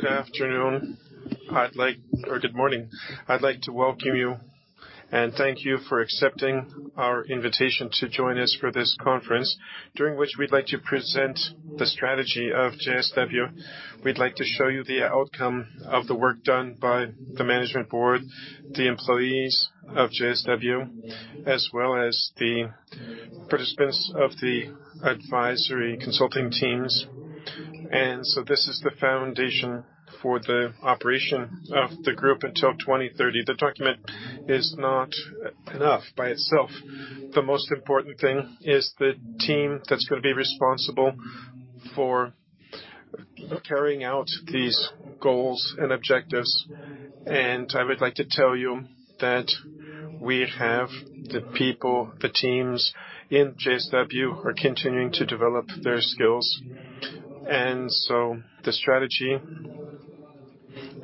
Good afternoon. I'd like to welcome you and thank you for accepting our invitation to join us for this conference, during which we'd like to present the strategy of JSW. We'd like to show you the outcome of the work done by the management board, the employees of JSW, as well as the participants of the advisory consulting teams. This is the foundation for the operation of the group until 2030. The document is not enough by itself. The most important thing is the team that's gonna be responsible for carrying out these goals and objectives. I would like to tell you that we have the people, the teams in JSW are continuing to develop their skills. The strategy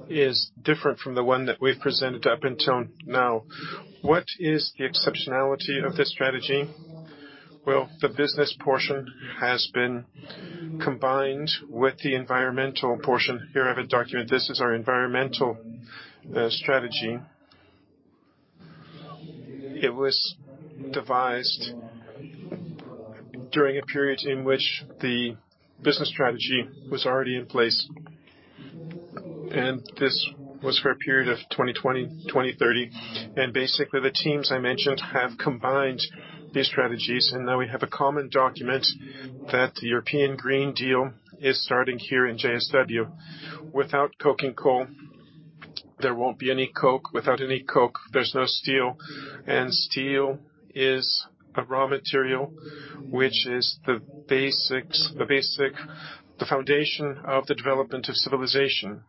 is different from the one that we've presented up until now. What is the exceptionality of this strategy? Well, the business portion has been combined with the environmental portion. Here I have a document. This is our environmental strategy. It was devised during a period in which the business strategy was already in place, and this was for a period of 2020-2030. Basically, the teams I mentioned have combined these strategies, and now we have a common document that the European Green Deal is starting here in JSW. Without coking coal, there won't be any coke. Without any coke, there's no steel. Steel is a raw material, which is the basic foundation of the development of civilization.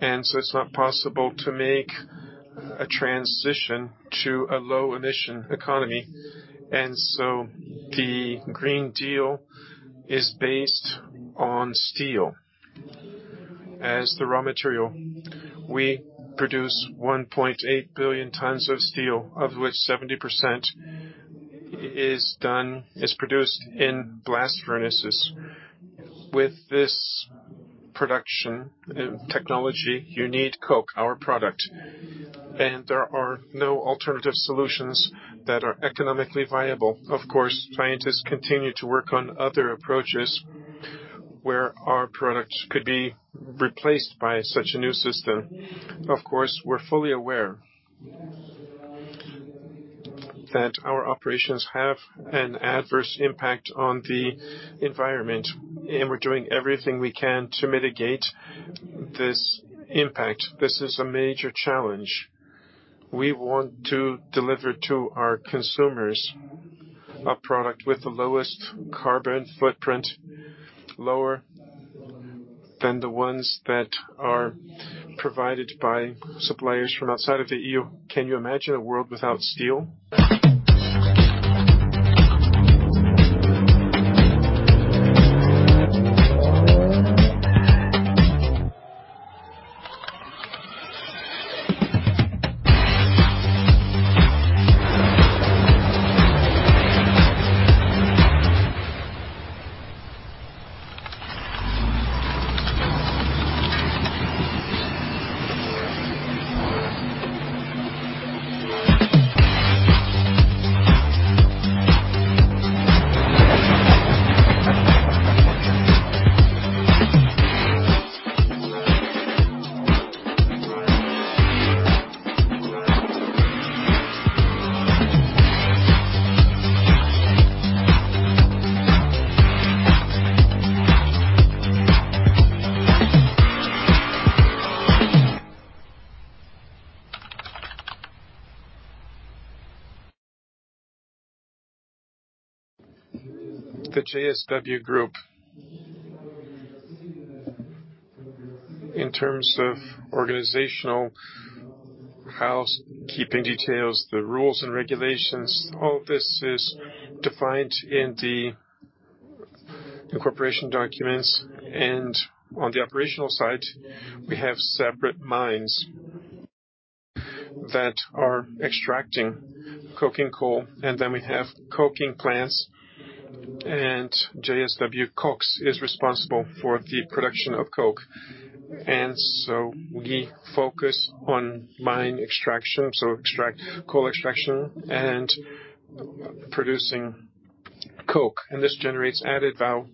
It's not possible to make a transition to a low-emission economy. The Green Deal is based on steel as the raw material. We produce 1.8 billion tons of steel, of which 70% is produced in blast furnaces. With this production technology, you need coke, our product, and there are no alternative solutions that are economically viable. Of course, scientists continue to work on other approaches where our products could be replaced by such a new system. Of course, we're fully aware that our operations have an adverse impact on the environment, and we're doing everything we can to mitigate this impact. This is a major challenge. We want to deliver to our consumers a product with the lowest carbon footprint, lower than the ones that are provided by suppliers from outside of the EU. Can you imagine a world without steel? The JSW Group. In terms of organizational housekeeping details, the rules and regulations, all of this is defined in the incorporation documents. On the operational side, we have separate mines that are extracting coking coal, and then we have coking plants, and JSW KOKS is responsible for the production of coke. We focus on mine extraction, coal extraction and producing coke. This generates added value,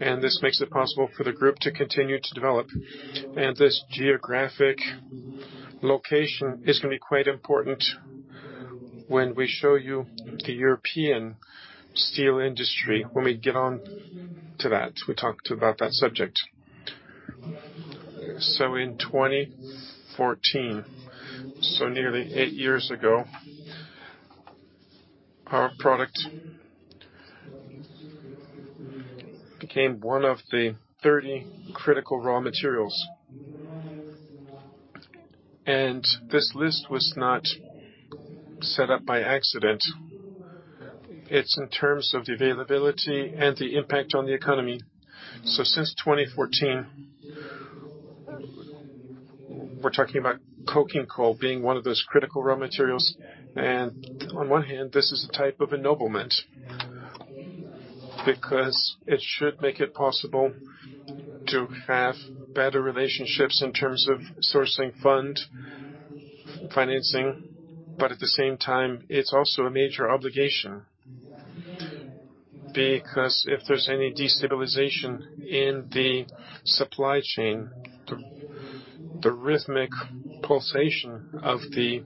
and this makes it possible for the group to continue to develop. This geographic location is gonna be quite important when we show you the European steel industry, when we get on to that, we talk about that subject. In 2014, nearly eight years ago, our product became one of the 30 critical raw materials. This list was not set up by accident. It's in terms of the availability and the impact on the economy. Since 2014, we're talking about coking coal being one of those critical raw materials. On one hand, this is a type of ennoblement. Because it should make it possible to have better relationships in terms of sourcing fund financing. At the same time, it's also a major obligation, because if there's any destabilization in the supply chain, the rhythmic pulsation of the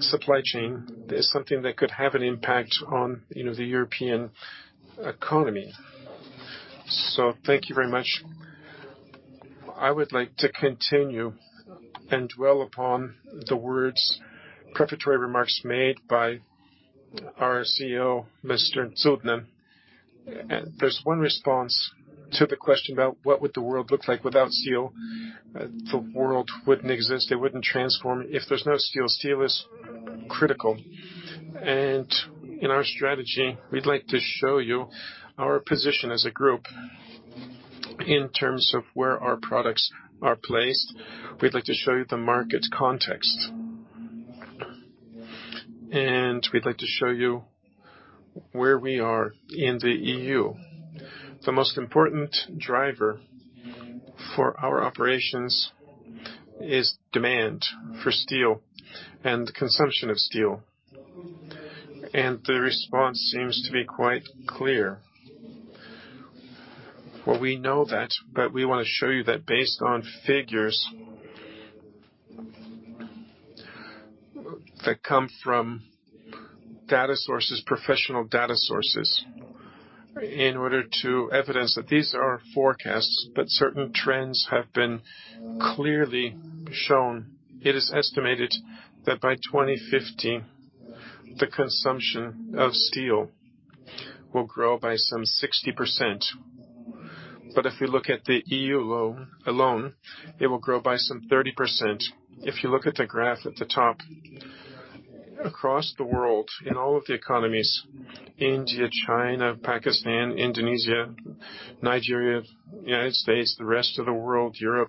supply chain is something that could have an impact on, you know, the European economy. Thank you very much. I would like to continue and dwell upon the words, prefatory remarks made by our CEO, Mr. Cudny. There's one response to the question about what would the world look like without steel. The world wouldn't exist. It wouldn't transform if there's no steel. Steel is critical. In our strategy, we'd like to show you our position as a group in terms of where our products are placed. We'd like to show you the market context, and we'd like to show you where we are in the EU. The most important driver for our operations is demand for steel and consumption of steel. The response seems to be quite clear. Well, we know that, but we want to show you that based on figures that come from data sources, professional data sources, in order to evidence that these are forecasts, but certain trends have been clearly shown. It is estimated that by 2050, the consumption of steel will grow by some 60%. If we look at the EU alone, it will grow by some 30%. If you look at the graph at the top, across the world, in all of the economies, India, China, Pakistan, Indonesia, Nigeria, United States, the rest of the world, Europe,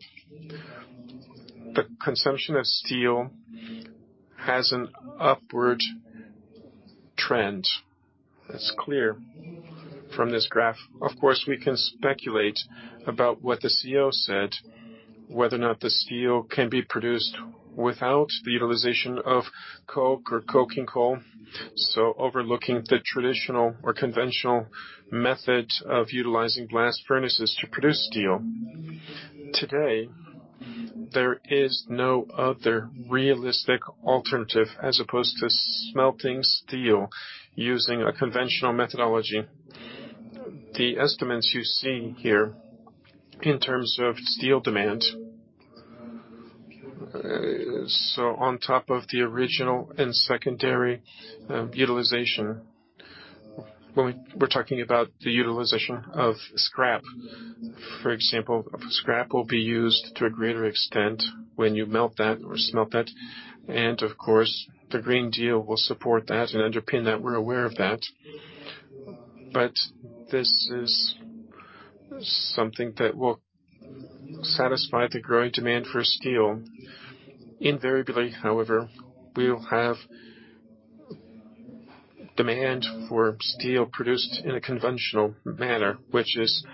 the consumption of steel has an upward trend. That's clear from this graph. Of course, we can speculate about what the CEO said, whether or not the steel can be produced without the utilization of coke or coking coal. Overlooking the traditional or conventional method of utilizing blast furnaces to produce steel, today there is no other realistic alternative as opposed to smelting steel using a conventional methodology. The estimates you see here in terms of steel demand. On top of the primary and secondary utilization, we're talking about the utilization of scrap. For example, scrap will be used to a greater extent when you melt that or smelt that. Of course, the Green Deal will support that and underpin that. We're aware of that. This is something that will satisfy the growing demand for steel. Invariably, however, we will have demand for steel produced in a conventional manner, which is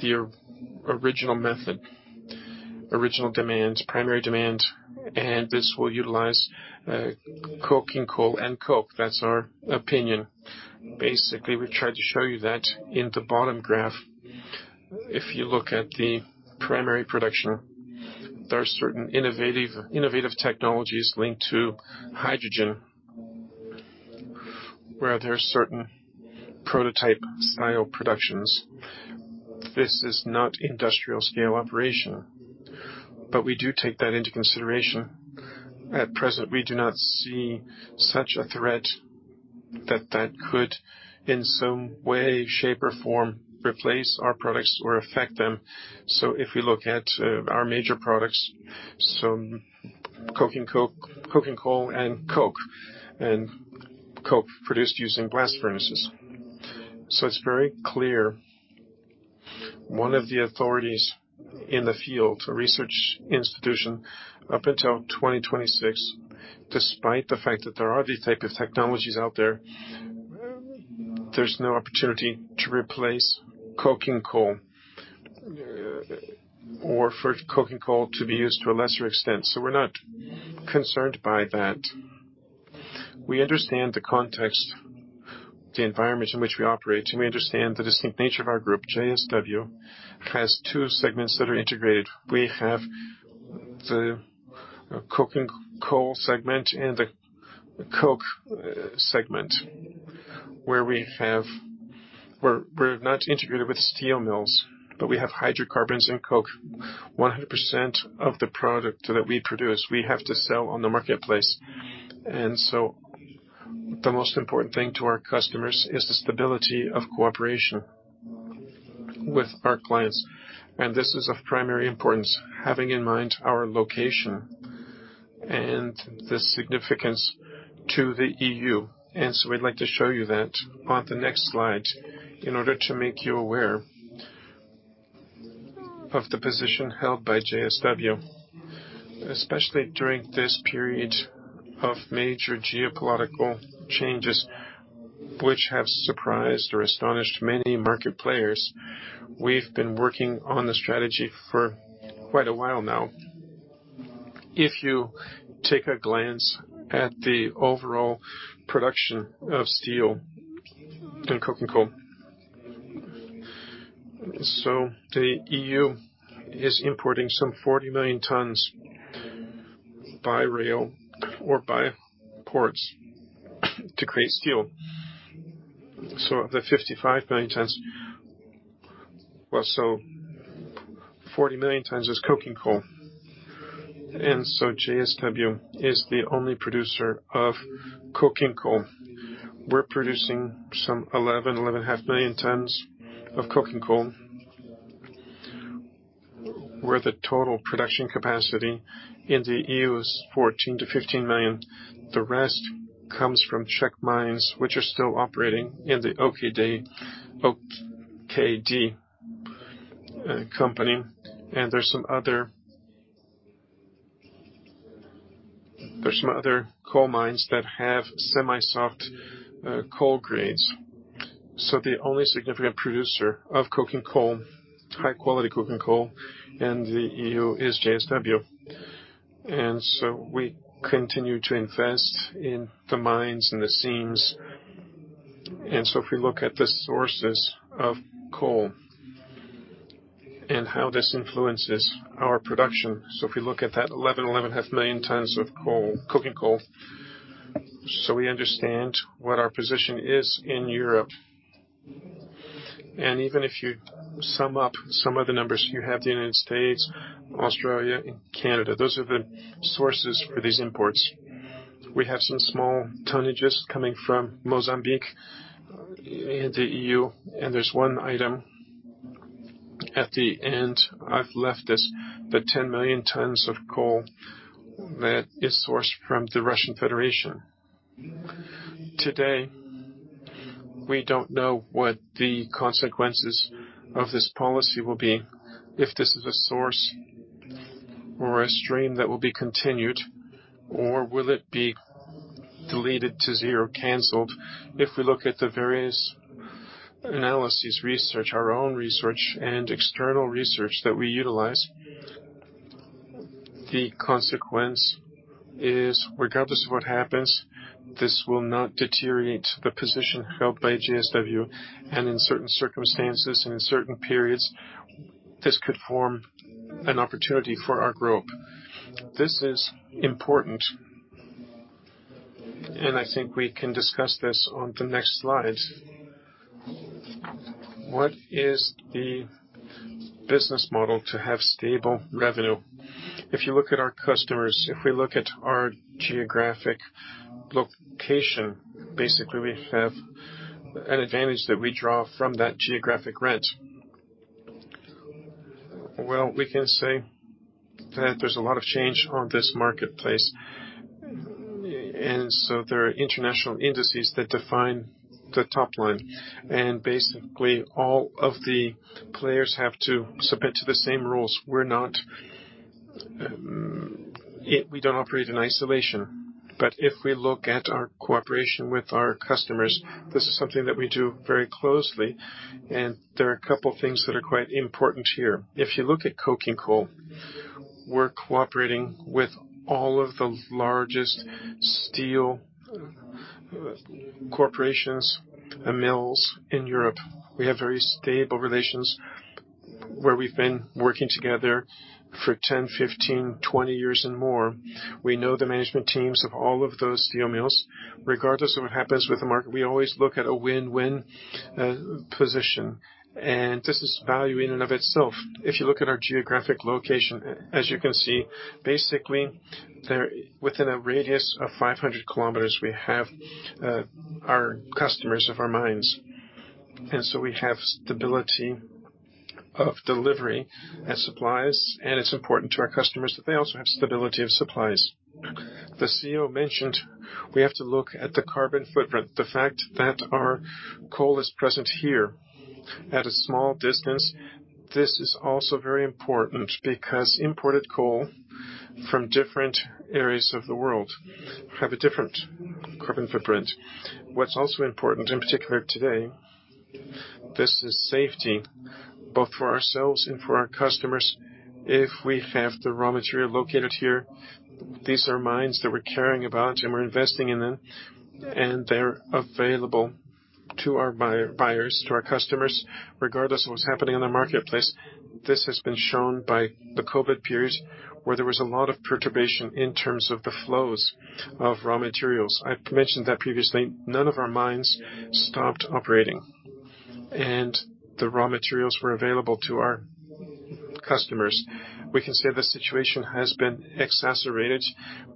the original method, original demand, primary demand. This will utilize coking coal and coke. That's our opinion. Basically, we tried to show you that in the bottom graph. If you look at the primary production, there are certain innovative technologies linked to hydrogen, where there are certain prototype-style productions. This is not industrial-scale operation, but we do take that into consideration. At present, we do not see such a threat that could, in some way, shape, or form, replace our products or affect them. If we look at our major products, coking coal and coke, and coke produced using blast furnaces. It's very clear, one of the authorities in the field, a research institution, up until 2026, despite the fact that there are these type of technologies out there's no opportunity to replace coking coal or for coking coal to be used to a lesser extent. We're not concerned by that. We understand the context, the environment in which we operate, and we understand the distinct nature of our group. JSW has two segments that are integrated. We have the coking coal segment and the coke segment, where we're not integrated with steel mills, but we have hydrocarbons and coke. 100% of the product that we produce, we have to sell on the marketplace. The most important thing to our customers is the stability of cooperation with our clients. This is of primary importance, having in mind our location and the significance to the EU. We'd like to show you that on the next slide in order to make you aware of the position held by JSW, especially during this period of major geopolitical changes which have surprised or astonished many market players. We've been working on the strategy for quite a while now. If you take a glance at the overall production of steel and coking coal. The EU is importing some 40 million tons by rail or by ports to create steel. Of the 55 million tons, well, so 40 million tons is coking coal. JSW is the only producer of coking coal. We're producing some 11.5 million tons of coking coal, where the total production capacity in the EU is 14 million-15 million. The rest comes from Czech mines which are still operating in the OKD company. There's some other coal mines that have semi-soft coal grades. The only significant producer of coking coal, high quality coking coal in the EU is JSW. We continue to invest in the mines and the seams. If we look at the sources of coal and how this influences our production, if we look at that 11.5 million tons of coal, coking coal, we understand what our position is in Europe. Even if you sum up some of the numbers, you have the United States, Australia, and Canada, those are the sources for these imports. We have some small tonnages coming from Mozambique in the EU, and there's one item. At the end, I've left this, the 10 million tons of coal that is sourced from the Russian Federation. Today, we don't know what the consequences of this policy will be. If this is a source or a stream that will be continued, or will it be deleted to zero, canceled. If we look at the various analyses, research, our own research and external research that we utilize, the consequence is, regardless of what happens, this will not deteriorate the position held by JSW and in certain circumstances and in certain periods, this could form an opportunity for our group. This is important, and I think we can discuss this on the next slide. What is the business model to have stable revenue? If you look at our customers, if we look at our geographic location, basically we have an advantage that we draw from that geographic rent. Well, we can say that there's a lot of change on this marketplace. There are international indices that define the top line. Basically all of the players have to submit to the same rules. We don't operate in isolation. If we look at our cooperation with our customers, this is something that we do very closely. There are a couple things that are quite important here. If you look at coking coal, we're cooperating with all of the largest steel corporations and mills in Europe. We have very stable relations where we've been working together for 10, 15, 20 years and more. We know the management teams of all of those steel mills. Regardless of what happens with the market, we always look at a win-win position, and this is value in and of itself. If you look at our geographic location, as you can see, basically there, within a radius of 500 km, we have our customers of our mines. We have stability of delivery and supplies, and it's important to our customers that they also have stability of supplies. The CEO mentioned we have to look at the carbon footprint. The fact that our coal is present here at a small distance, this is also very important because imported coal from different areas of the world have a different carbon footprint. What's also important, in particular today, this is safety both for ourselves and for our customers. If we have the raw material located here, these are mines that we're caring about and we're investing in them, and they're available to our buyers, to our customers, regardless of what's happening in the marketplace. This has been shown by the COVID period, where there was a lot of perturbation in terms of the flows of raw materials. I've mentioned that previously, none of our mines stopped operating, and the raw materials were available to our customers. We can say the situation has been exacerbated.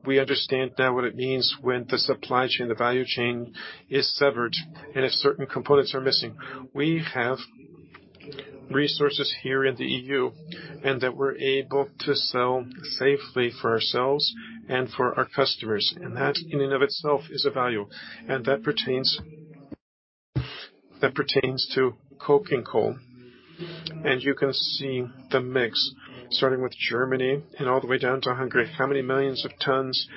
We understand now what it means when the supply chain, the value chain is severed and if certain components are missing. We have resources here in the EU and that we're able to sell safely for ourselves and for our customers. That, in and of itself, is a value. That pertains to coking coal. You can see the mix, starting with Germany and all the way down to Hungary, how many millions of tons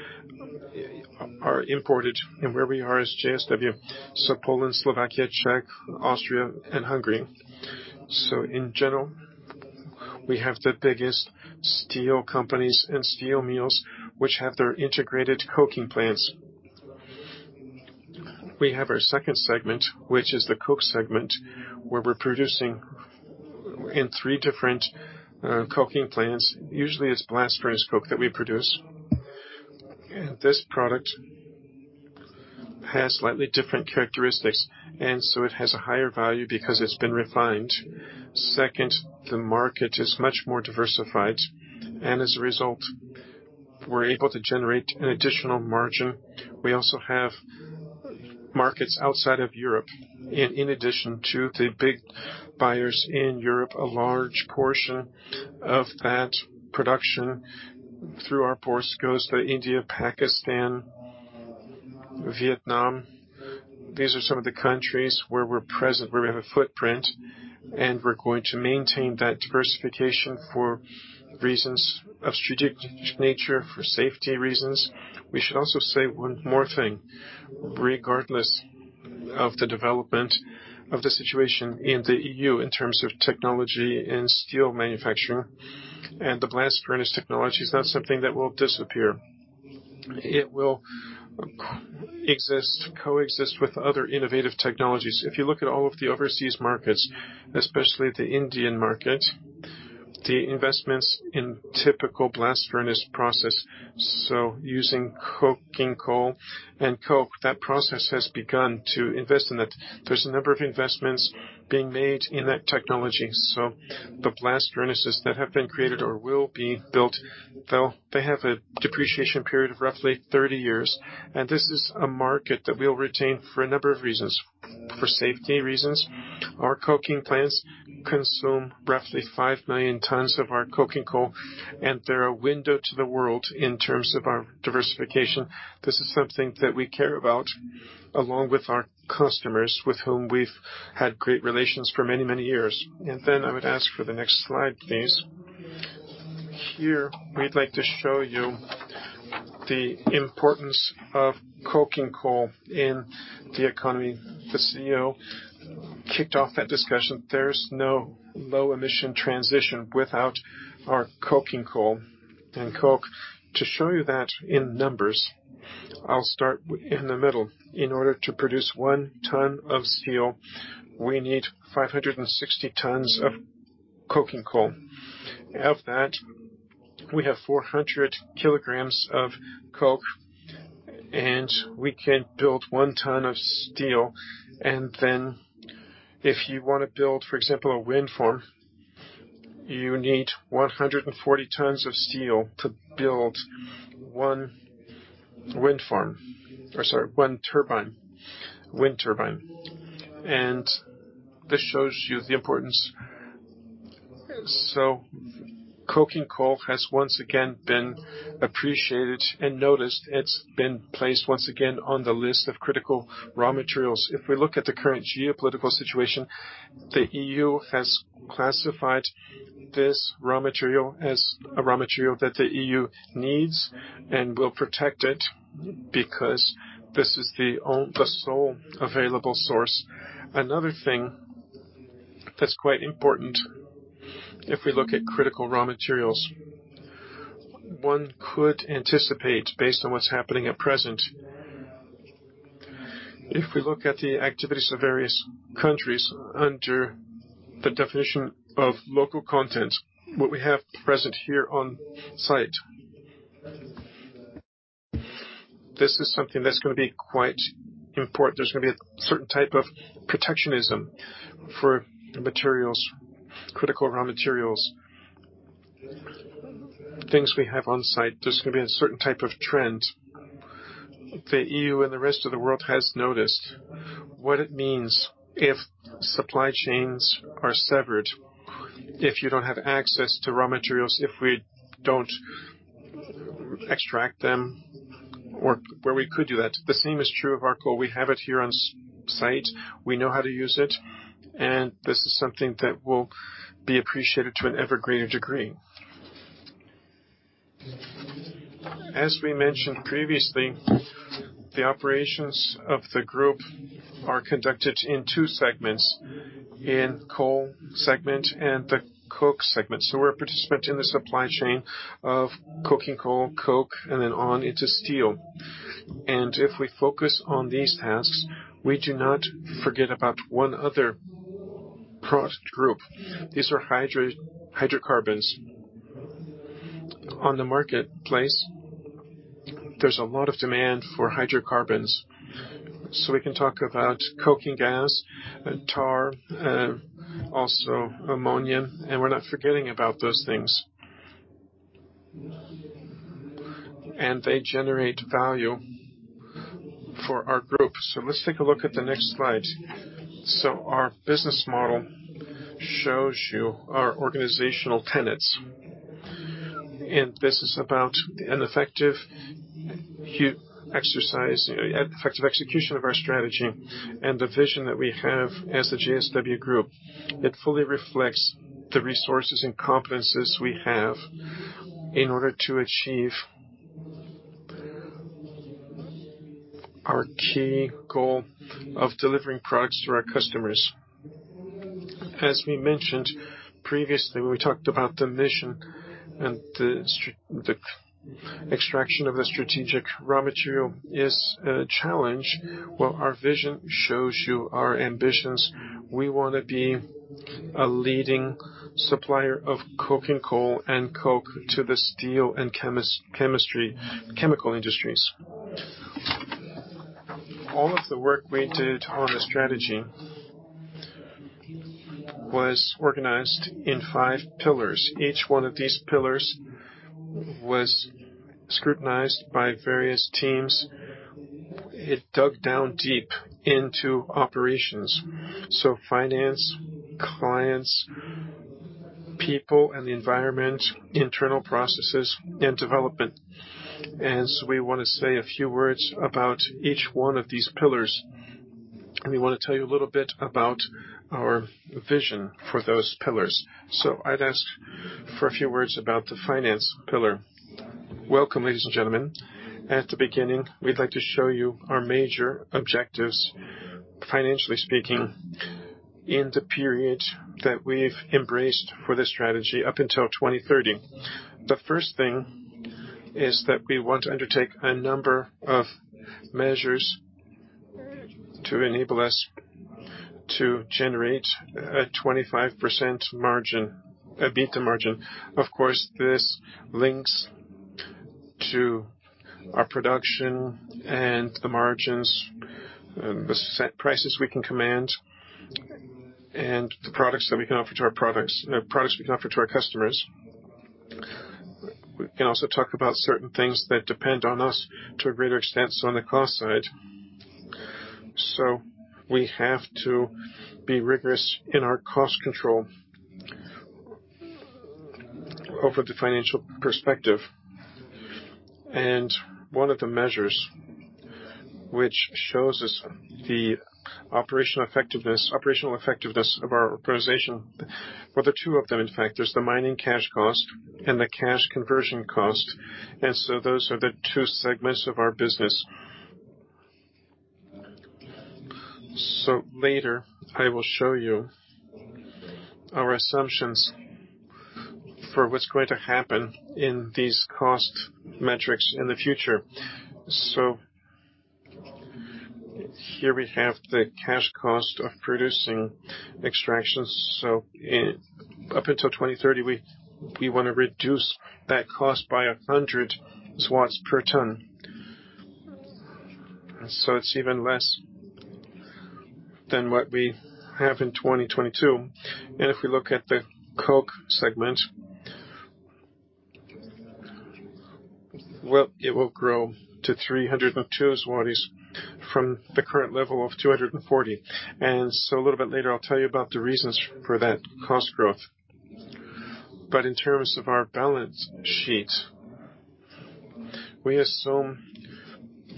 are imported and where we are as JSW. Poland, Slovakia, Czech, Austria, and Hungary. In general, we have the biggest steel companies and steel mills which have their integrated coking plants. We have our second segment, which is the coke segment, where we're producing in three different coking plants. Usually, it's blast furnace coke that we produce. This product has slightly different characteristics, and so it has a higher value because it's been refined. Second, the market is much more diversified, and as a result, we're able to generate an additional margin. We also have markets outside of Europe. In addition to the big buyers in Europe, a large portion of that production through our ports goes to India, Pakistan, Vietnam. These are some of the countries where we're present, where we have a footprint, and we're going to maintain that diversification for reasons of strategic nature, for safety reasons. We should also say one more thing. Regardless of the development of the situation in the EU in terms of technology and steel manufacture, and the blast furnace technology is not something that will disappear. It will exist, coexist with other innovative technologies. If you look at all of the overseas markets, especially the Indian market, the investments in typical blast furnace process, so using coking coal and coke, that process has begun to invest in that. There's a number of investments being made in that technology. So the blast furnaces that have been created or will be built, they have a depreciation period of roughly 30 years. This is a market that we'll retain for a number of reasons. For safety reasons, our coking plants consume roughly 5 million tons of our coking coal, and they're a window to the world in terms of our diversification. This is something that we care about along with our customers with whom we've had great relations for many, many years. I would ask for the next slide, please. Here, we'd like to show you the importance of coking coal in the economy. The CEO kicked off that discussion. There's no low emission transition without our coking coal and coke. To show you that in numbers, I'll start in the middle. In order to produce 1 ton of steel, we need 560 tons of coking coal. Of that, we have 400 kg of coke, and we can build 1 ton of steel. If you want to build, for example, a wind farm, you need 140 tons of steel to build one wind farm. Or sorry, one turbine, wind turbine. This shows you the importance. Coking coal has once again been appreciated and noticed. It's been placed once again on the list of Critical Raw Materials. If we look at the current geopolitical situation, the EU has classified this raw material as a raw material that the EU needs and will protect it because this is the sole available source. Another thing that's quite important if we look at Critical Raw Materials, one could anticipate based on what's happening at present. If we look at the activities of various countries under the definition of Local Content, what we have present here on-site, this is something that's gonna be quite important. There's gonna be a certain type of protectionism for the materials, Critical Raw Materials. Things we have on-site, there's gonna be a certain type of trend. The EU and the rest of the world has noticed what it means if supply chains are severed, if you don't have access to raw materials, if we don't extract them or where we could do that. The same is true of our coal. We have it here on site, we know how to use it, and this is something that will be appreciated to an ever greater degree. As we mentioned previously, the operations of the group are conducted in two segments: in coal segment and the coke segment. We're a participant in the supply chain of coking coal, coke, and then on into steel. If we focus on these tasks, we do not forget about one other product group. These are hydrocarbons. On the marketplace, there's a lot of demand for hydrocarbons. We can talk about coking gas and tar, also ammonia, and we're not forgetting about those things. They generate value for our group. Let's take a look at the next slide. Our business model shows you our organizational tenets, and this is about an effective huge exercise, effective execution of our strategy and the vision that we have as the JSW Group. It fully reflects the resources and competences we have in order to achieve our key goal of delivering products to our customers. As we mentioned previously, when we talked about the mission and the extraction of the strategic raw material is a challenge. Well, our vision shows you our ambitions. We want to be a leading supplier of coking coal and coke to the steel and chemical industries. All of the work we did on the strategy was organized in five pillars. Each one of these pillars was scrutinized by various teams. It dug down deep into operations, so finance, clients, people and the environment, internal processes and development. As we want to say a few words about each one of these pillars, and we want to tell you a little bit about our vision for those pillars. I'd ask for a few words about the finance pillar. Welcome, ladies and gentlemen. At the beginning, we'd like to show you our major objectives, financially speaking, in the period that we've embraced for this strategy up until 2030. The first thing is that we want to undertake a number of measures to enable us to generate a 25% EBITDA margin. Of course, this links to our production and the margins, the set prices we can command, and the products that we can offer to our customers. We can also talk about certain things that depend on us to a greater extent. On the cost side. We have to be rigorous in our cost control over the financial perspective. One of the measures which shows us the operational effectiveness of our organization. Well, the two of them, in fact, there's the mining cash cost and the cash conversion cost. Those are the two segments of our business. Later I will show you our assumptions for what's going to happen in these cost metrics in the future. Here we have the cash cost of producing extractions. Up until 2030, we want to reduce that cost by 100 per ton. It's even less than what we have in 2022. If we look at the coke segment, well, it will grow to 302 from the current level of 240. A little bit later I'll tell you about the reasons for that cost growth. In terms of our balance sheet, we assume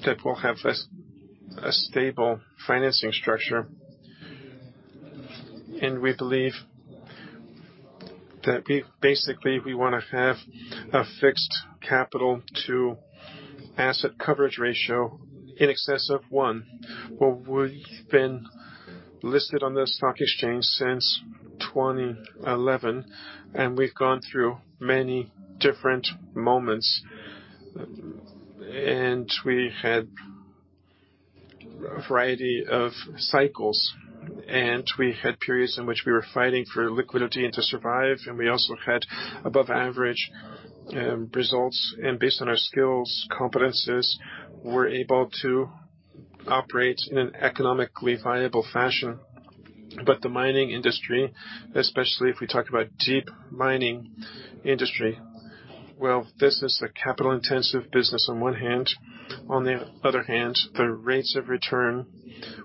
that we'll have a stable financing structure. We believe that we basically want to have a fixed capital to asset coverage ratio in excess of one. We've been listed on the stock exchange since 2011, and we've gone through many different moments, and we had a variety of cycles, and we had periods in which we were fighting for liquidity and to survive. We also had above average results. Based on our skills, competences, we're able to operate in an economically viable fashion. The mining industry, especially if we talk about deep mining industry, well, this is a capital-intensive business on one hand. On the other hand, the rates of return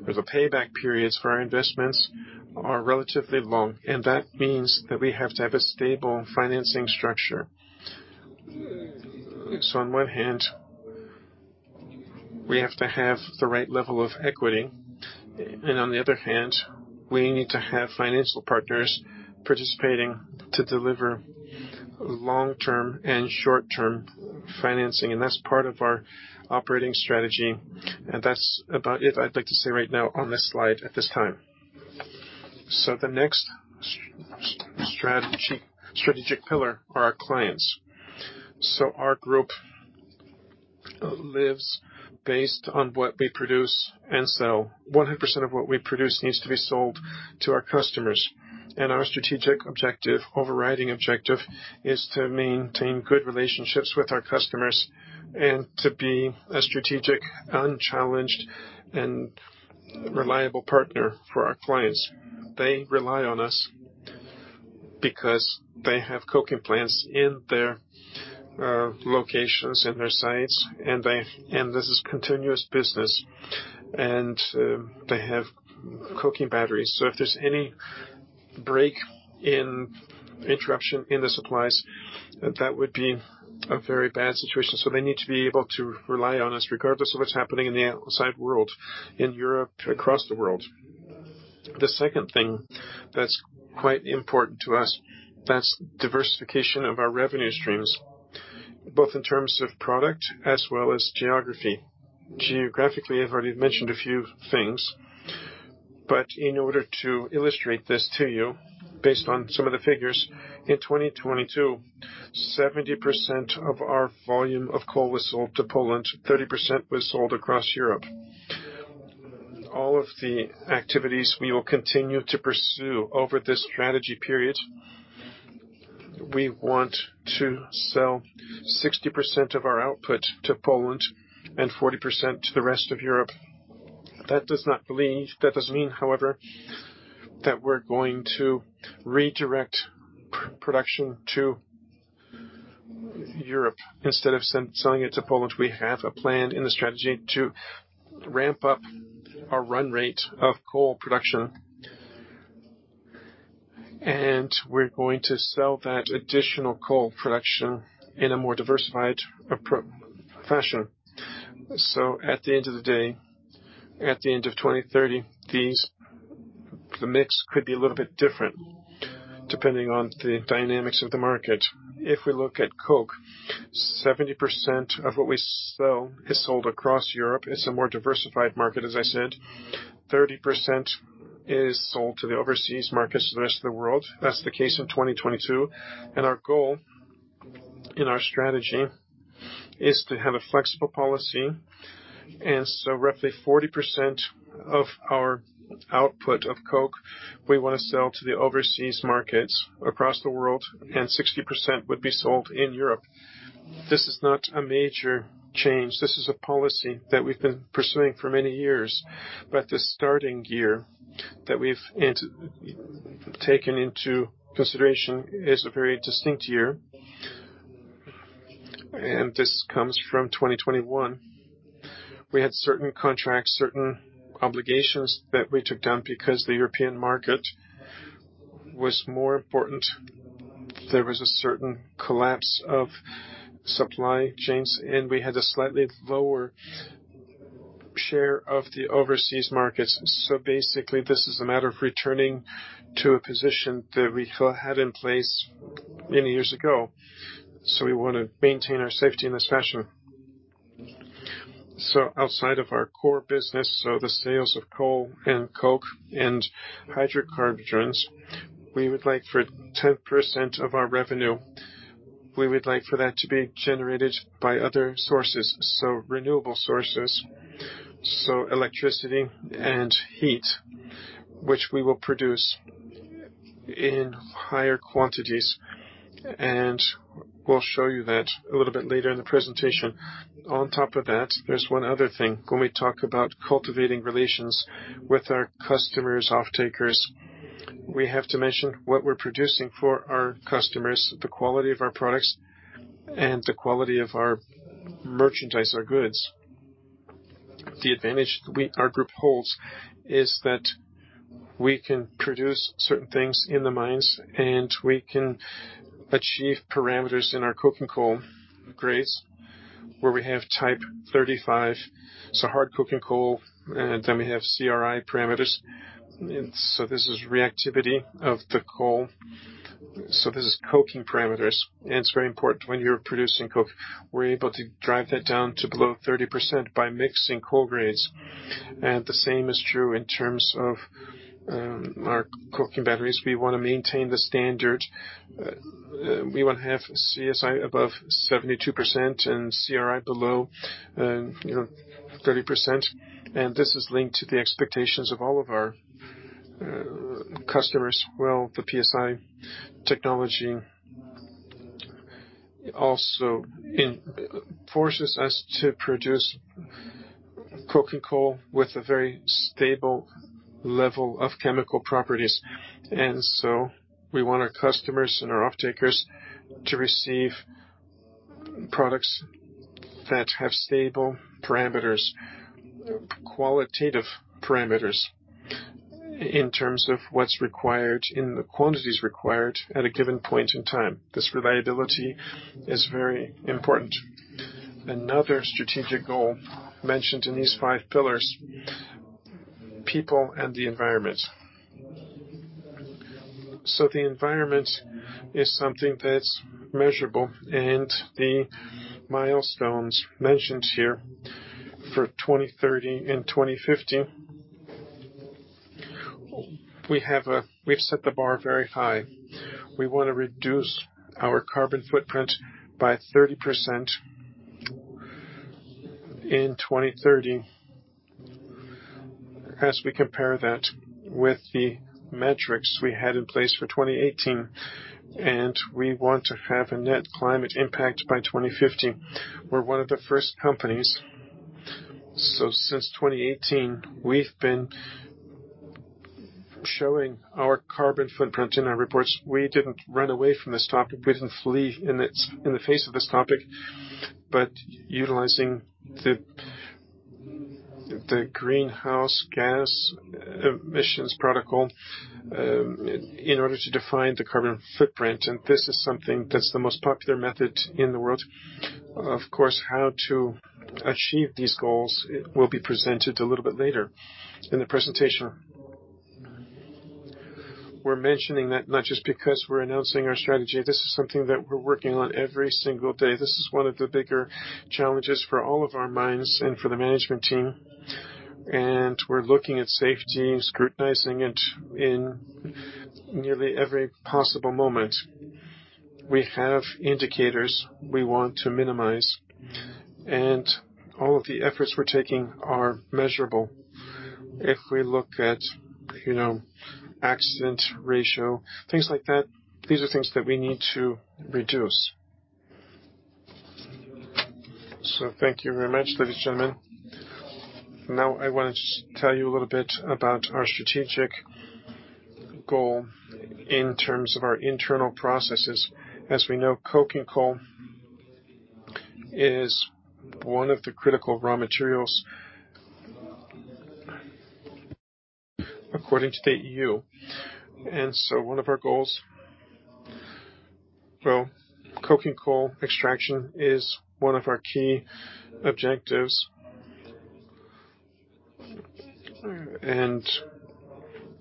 or the payback periods for our investments are relatively long. That means that we have to have a stable financing structure. On one hand, we have to have the right level of equity, and on the other hand, we need to have financial partners participating to deliver long-term and short-term financing. That's part of our operating strategy. That's about it I'd like to say right now on this slide at this time. The next strategy, strategic pillar are our clients. Our group lives based on what we produce, and 100% of what we produce needs to be sold to our customers. Our strategic objective, overriding objective, is to maintain good relationships with our customers and to be a strategic, unchallenged, and reliable partner for our clients. They rely on us because they have coking plants in their locations, in their sites, and this is continuous business, and they have coking batteries. If there's any interruption in the supplies, that would be a very bad situation. They need to be able to rely on us regardless of what's happening in the outside world, in Europe, across the world. The second thing that's quite important to us, that's diversification of our revenue streams, both in terms of product as well as geography. Geographically, I've already mentioned a few things, but in order to illustrate this to you based on some of the figures. In 2022, 70% of our volume of coal was sold to Poland, 30% was sold across Europe. All of the activities we will continue to pursue over this strategy period, we want to sell 60% of our output to Poland and 40% to the rest of Europe. That does mean, however, that we're going to redirect production to Europe instead of selling it to Poland. We have a plan in the strategy to ramp up our run rate of coal production. We're going to sell that additional coal production in a more diversified fashion. At the end of the day, at the end of 2030, these, the mix could be a little bit different depending on the dynamics of the market. If we look at coke, 70% of what we sell is sold across Europe. It's a more diversified market, as I said. 30% is sold to the overseas markets, to the rest of the world. That's the case in 2022. Our goal in our strategy is to have a flexible policy. Roughly 40% of our output of coke, we wanna sell to the overseas markets across the world, and 60% would be sold in Europe. This is not a major change. This is a policy that we've been pursuing for many years. The starting year that we've taken into consideration is a very distinct year. This comes from 2021. We had certain contracts, certain obligations that we took down because the European market was more important. There was a certain collapse of supply chains, and we had a slightly lower share of the overseas markets. Basically, this is a matter of returning to a position that we had in place many years ago. We wanna maintain our safety in this fashion. Outside of our core business, so the sales of coal and coke and hydrocarbons, we would like for 10% of our revenue, we would like for that to be generated by other sources, renewable sources, so electricity and heat, which we will produce in higher quantities. We'll show you that a little bit later in the presentation. On top of that, there's one other thing. When we talk about cultivating relations with our customers, off-takers, we have to mention what we're producing for our customers, the quality of our products and the quality of our merchandise, our goods. The advantage our group holds is that we can produce certain things in the mines, and we can achieve parameters in our coking coal grades, where we have type 35. It's a hard coking coal, and then we have CRI parameters. This is reactivity of the coal. This is coking parameters. It's very important when you're producing coke. We're able to drive that down to below 30% by mixing coal grades. The same is true in terms of our coking batteries. We wanna maintain the standard. We want to have CSI above 72% and CRI below 30%. This is linked to the expectations of all of our customers. Well, the PCI technology also forces us to produce coking coal with a very stable level of chemical properties. We want our customers and our off-takers to receive products that have stable parameters, qualitative parameters in terms of what's required, in the quantities required at a given point in time. This reliability is very important. Another strategic goal mentioned in these five pillars, people and the environment. The environment is something that's measurable, and the milestones mentioned here for 2030 and 2050, we have, we've set the bar very high. We want to reduce our carbon footprint by 30% in 2030 as we compare that with the metrics we had in place for 2018. We want to have a net climate impact by 2050. We're one of the first companies. Since 2018, we've been showing our carbon footprint in our reports. We didn't run away from this topic. We didn't flee in the face of this topic. Utilizing the Greenhouse Gas Emissions Protocol in order to define the carbon footprint. This is something that's the most popular method in the world. Of course, how to achieve these goals will be presented a little bit later in the presentation. We're mentioning that not just because we're announcing our strategy, this is something that we're working on every single day. This is one of the bigger challenges for all of our mines and for the management team. We're looking at safety and scrutinizing it in nearly every possible moment. We have indicators we want to minimize, and all of the efforts we're taking are measurable. If we look at, you know, accident ratio, things like that, these are things that we need to reduce. Thank you very much, ladies and gentlemen. Now, I want to just tell you a little bit about our strategic goal in terms of our internal processes. As we know, coking coal is one of the critical raw materials according to the EU. Coking coal extraction is one of our key objectives.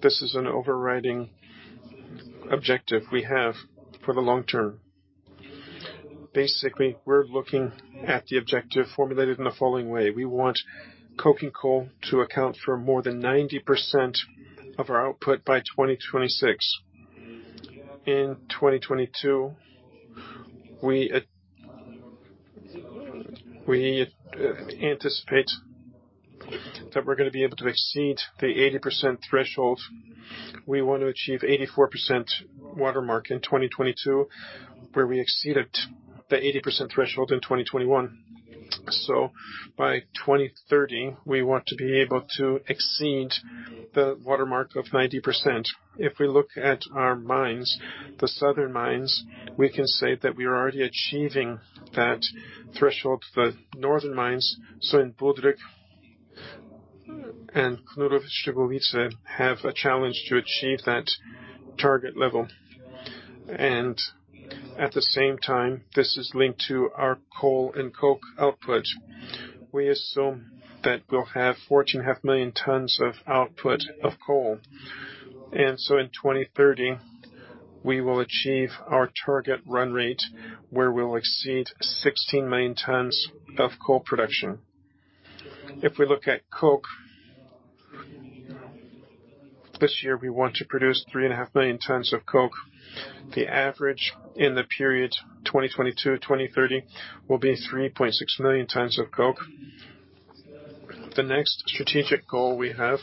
This is an overriding objective we have for the long term. Basically, we're looking at the objective formulated in the following way. We want coking coal to account for more than 90% of our output by 2026. In 2022, we anticipate that we're gonna be able to exceed the 80% threshold. We want to achieve 84% watermark in 2022, where we exceeded the 80% threshold in 2021. By 2030, we want to be able to exceed the watermark of 90%. If we look at our mines, the southern mines, we can say that we are already achieving that threshold. The northern mines, so in Budryk and Knurów-Szczygłowice, have a challenge to achieve that target level. At the same time, this is linked to our coal and coke output. We assume that we'll have 14.5 million tons of output of coal. In 2030, we will achieve our target run rate, where we'll exceed 16 million tons of coal production. If we look at coke, this year, we want to produce 3.5 million tons of coke. The average in the period 2022-2030 will be 3.6 million tons of coke. The next strategic goal we have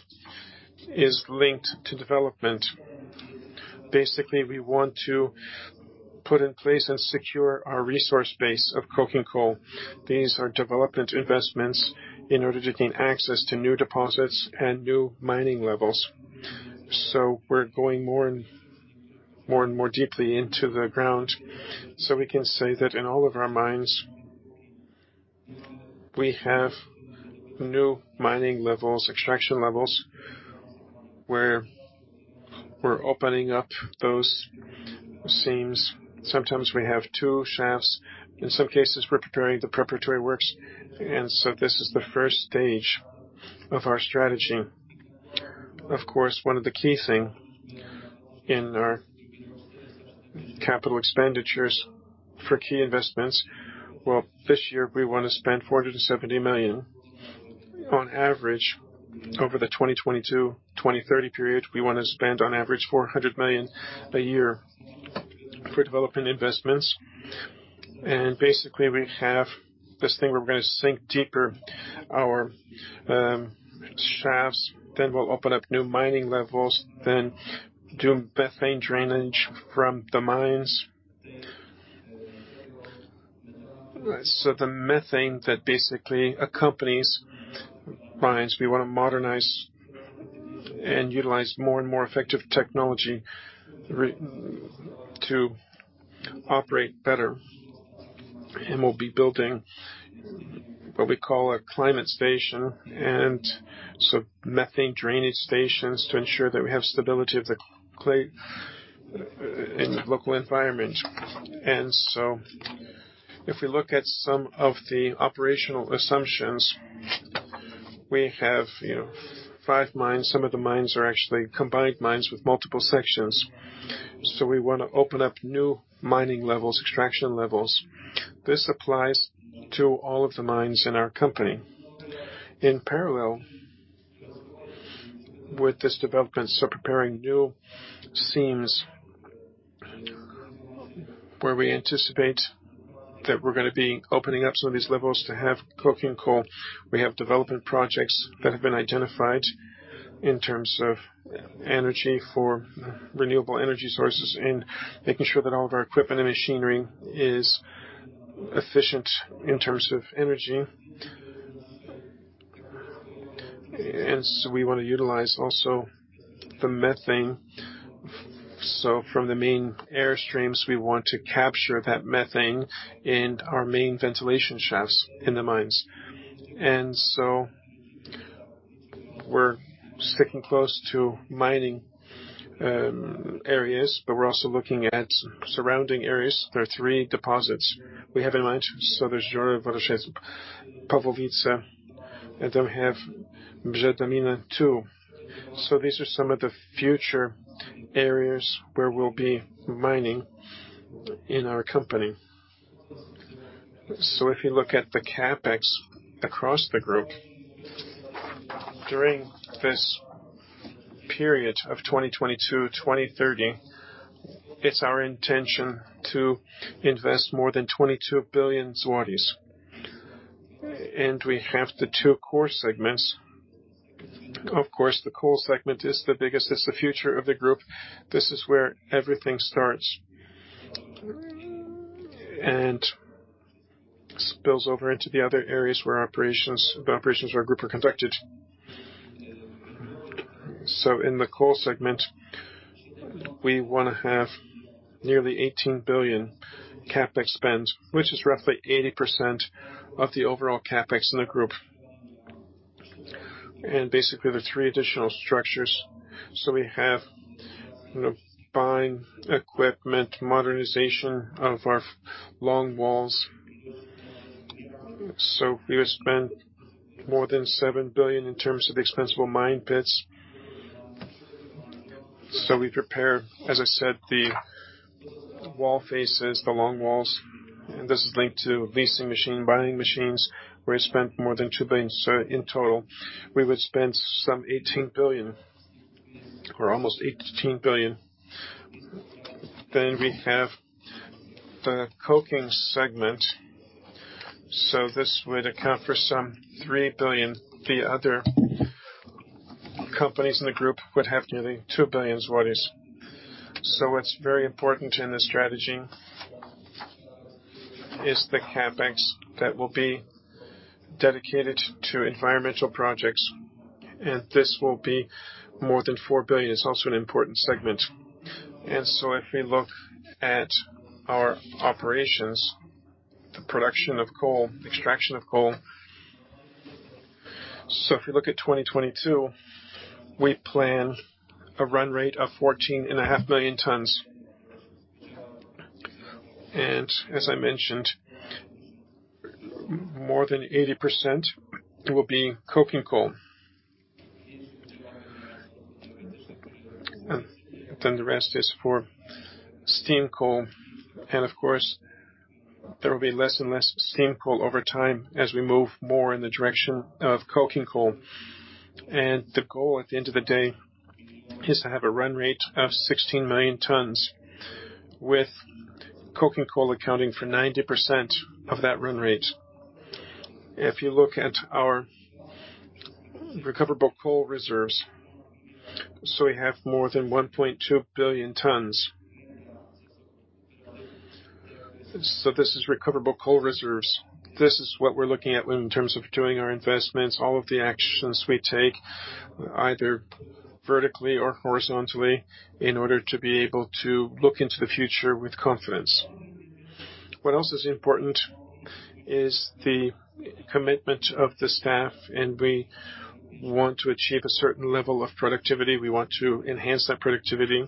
is linked to development. Basically, we want to put in place and secure our resource base of coking coal. These are development investments in order to gain access to new deposits and new mining levels. We're going more and more deeply into the ground. We can say that in all of our mines, we have new mining levels, extraction levels, where we're opening up those seams. Sometimes we have two shafts. In some cases, we're preparing the preparatory works. This is the first stage of our strategy. Of course, one of the key thing in our capital expenditures for key investments. Well, this year we want to spend 40 million-70 million. On average, over the 2022-2030 period, we want to spend on average 400 million a year for development investments. Basically, we have this thing where we're gonna sink deeper our shafts, then we'll open up new mining levels, then do methane drainage from the mines. The methane that basically accompanies mines, we wanna modernize and utilize more and more effective technology to operate better. We'll be building what we call a climate station and some methane drainage stations to ensure that we have stability of the climate in the local environment. If we look at some of the operational assumptions, we have, you know, five mines. Some of the mines are actually combined mines with multiple sections. We wanna open up new mining levels, extraction levels. This applies to all of the mines in our company. In parallel with this development, preparing new seams where we anticipate that we're gonna be opening up some of these levels to have coking coal. We have development projects that have been identified in terms of energy for renewable energy sources and making sure that all of our equipment and machinery is efficient in terms of energy. We want to utilize also the methane. So from the main airstreams, we want to capture that methane in our main ventilation shafts in the mines. We're sticking close to mining areas, but we're also looking at surrounding areas. There are three deposits we have in mind. There's Żory, Wodzisław, Pawłowice, and then we have Bzie-Dębina too. These are some of the future areas where we'll be mining in our company. If you look at the CapEx across the group, during this period of 2022-2030, it's our intention to invest more than 22 billion zlotys. We have the two core segments. Of course, the coal segment is the biggest, it's the future of the group. This is where everything starts and spills over into the other areas where operations of our group are conducted. In the coal segment, we wanna have nearly 18 billion CapEx spend, which is roughly 80% of the overall CapEx in the group. Basically, the three additional structures. We have, you know, buying equipment, modernization of our long walls. We will spend more than 7 billion in terms of the expense for mine pits. We prepare, as I said, the wall faces, the long walls, and this is linked to leasing machine, buying machines, where we spent more than 2 billion. In total, we would spend some 18 billion, or almost 18 billion. We have the coking segment. This would account for some 3 billion. The other companies in the group would have nearly 2 billion zlotys. What's very important in this strategy is the CapEx that will be dedicated to environmental projects, and this will be more than 4 billion. It's also an important segment. If we look at our operations, the production of coal, extraction of coal. If you look at 2022, we plan a run rate of 14.5 million tons. As I mentioned, more than 80% will be coking coal. The rest is for steam coal. Of course, there will be less and less steam coal over time as we move more in the direction of coking coal. The goal at the end of the day is to have a run rate of 16 million tons, with coking coal accounting for 90% of that run rate. If you look at our recoverable coal reserves, so we have more than 1.2 billion tons. This is recoverable coal reserves. This is what we're looking at when in terms of doing our investments, all of the actions we take, either vertically or horizontally, in order to be able to look into the future with confidence. What else is important is the commitment of the staff, and we want to achieve a certain level of productivity. We want to enhance that productivity.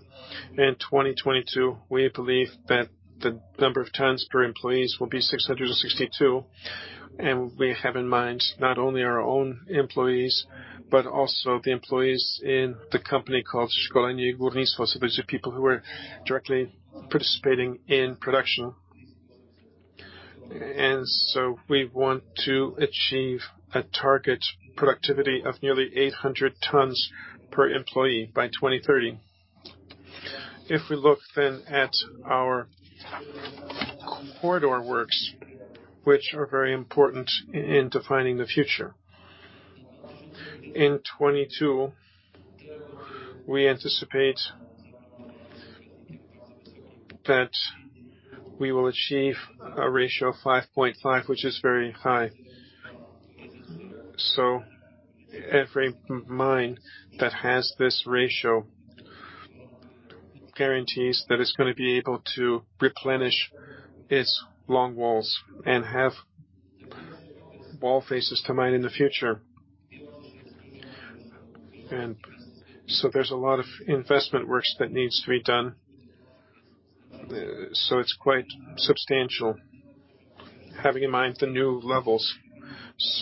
In 2022, we believe that the number of tons per employees will be 662, and we have in mind not only our own employees, but also the employees in the company called Szkolenie i Górnictwo, so these are people who are directly participating in production. We want to achieve a target productivity of nearly 800 tons per employee by 2030. If we look then at our corridor works, which are very important in defining the future. In 2022, we anticipate that we will achieve a ratio of 5.5, which is very high. Every mine that has this ratio guarantees that it's gonna be able to replenish its long walls and have wall faces to mine in the future. There's a lot of investment works that needs to be done. It's quite substantial, having in mind the new levels.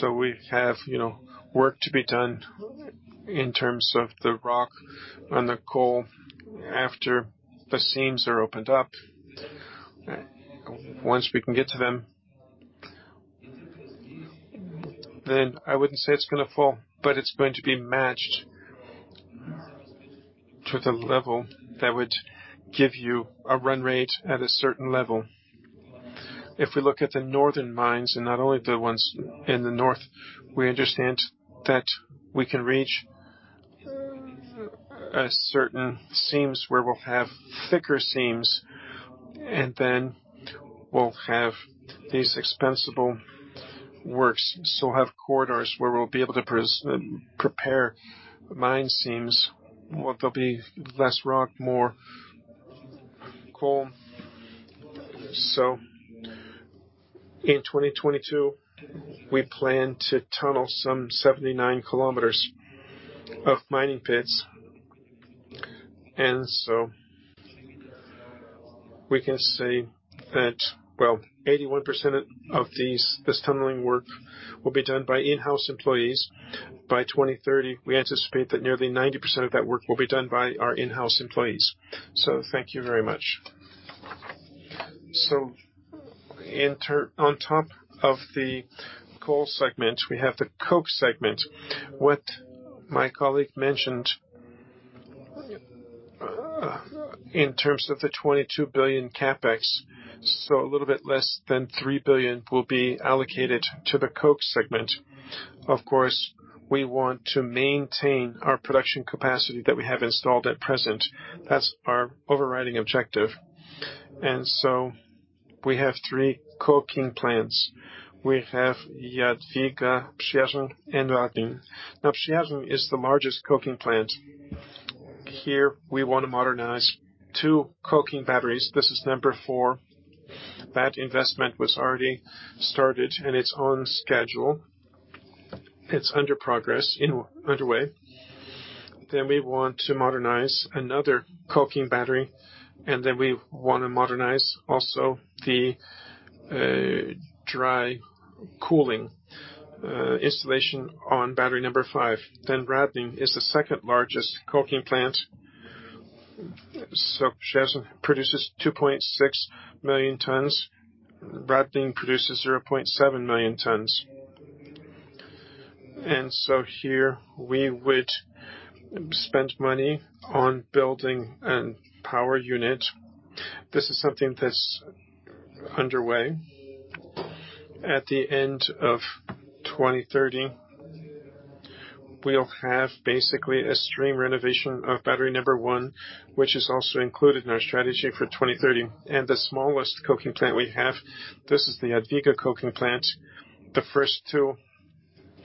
We have, you know, work to be done in terms of the rock and the coal after the seams are opened up. Once we can get to them, then I wouldn't say it's gonna fall, but it's going to be matched to the level that would give you a run rate at a certain level. If we look at the northern mines, and not only the ones in the north, we understand that we can reach certain seams where we'll have thicker seams, and then we'll have these expandable works still have corridors where we'll be able to prepare mine seams, where there'll be less rock, more coal. In 2022, we plan to tunnel some 79 km of mining pits. We can say that 81% of these, this tunneling work will be done by in-house employees. By 2030, we anticipate that nearly 90% of that work will be done by our in-house employees. Thank you very much. On top of the coal segment, we have the coke segment. What my colleague mentioned in terms of the 22 billion CapEx, a little bit less than 3 billion will be allocated to the coke segment. Of course, we want to maintain our production capacity that we have installed at present. That's our overriding objective. We have three coking plants. We have Jadwiga, Przyjaźń, and Radlin. Now, Przyjaźń is the largest coking plant. Here, we want to modernize two coking batteries. This is number four. That investment was already started, and it's on schedule. It's in progress, underway. We want to modernize another coking battery, and then we wanna modernize also the dry cooling installation on battery number five. Radlin is the second largest coking plant. Przyjaźń produces 2.6 million tons. Radlin produces 0.7 million tons. Here we would spend money on building a power unit. This is something that's underway. At the end of 2030, we'll have basically a steam renovation of battery number one, which is also included in our strategy for 2030. The smallest coking plant we have, this is the Jadwiga coking plant. The first two,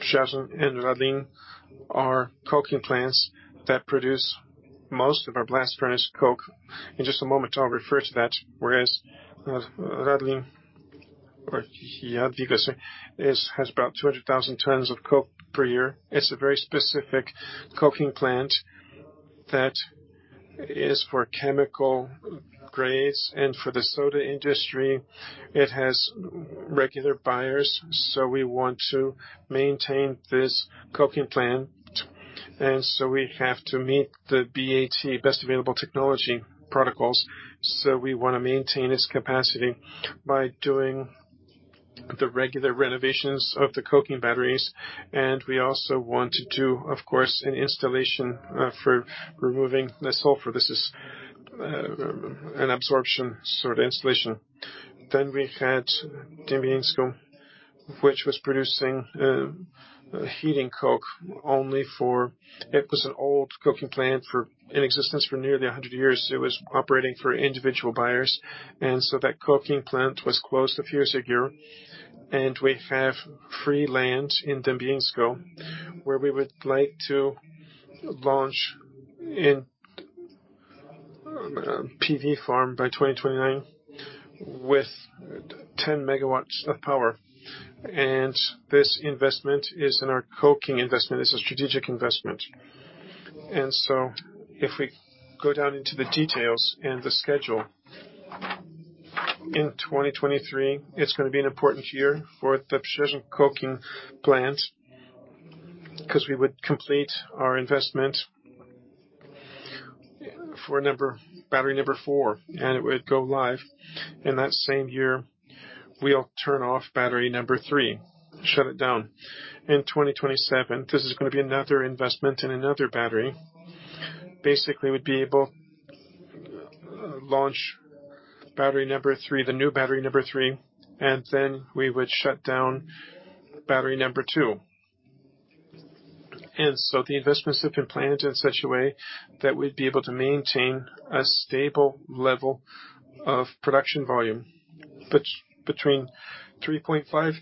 Przyjaźń and Radlin, are coking plants that produce most of our blast furnace coke. In just a moment, I'll refer to that. Whereas Radlin or Jadwiga has about 200,000 tons of coke per year. It's a very specific coking plant that is for chemical grades and for the soda industry. It has regular buyers, so we want to maintain this coking plant. We have to meet the BAT, Best Available Techniques protocols. We wanna maintain its capacity by doing the regular renovations of the coking batteries. We also want to do, of course, an installation for removing the sulfur. This is an absorption sort of installation. We had Dębieńsko, which was producing heating coke only. It was an old coking plant in existence for nearly a hundred years. It was operating for individual buyers. That coking plant was closed a few years ago. We have free land in Dębieńsko, where we would like to launch a PV farm by 2029 with 10 MW of power. This investment is in our coking investment. It's a strategic investment. If we go down into the details and the schedule, in 2023, it's gonna be an important year for the Przyjaźń coking plant 'cause we would complete our investment for battery number four, and it would go live. In that same year, we'll turn off battery number three, shut it down. In 2027, this is gonna be another investment in another battery. Basically, we'd be able to launch battery number three, the new battery number three, and then we would shut down battery number two. The investments have been planned in such a way that we'd be able to maintain a stable level of production volume between 3.5 million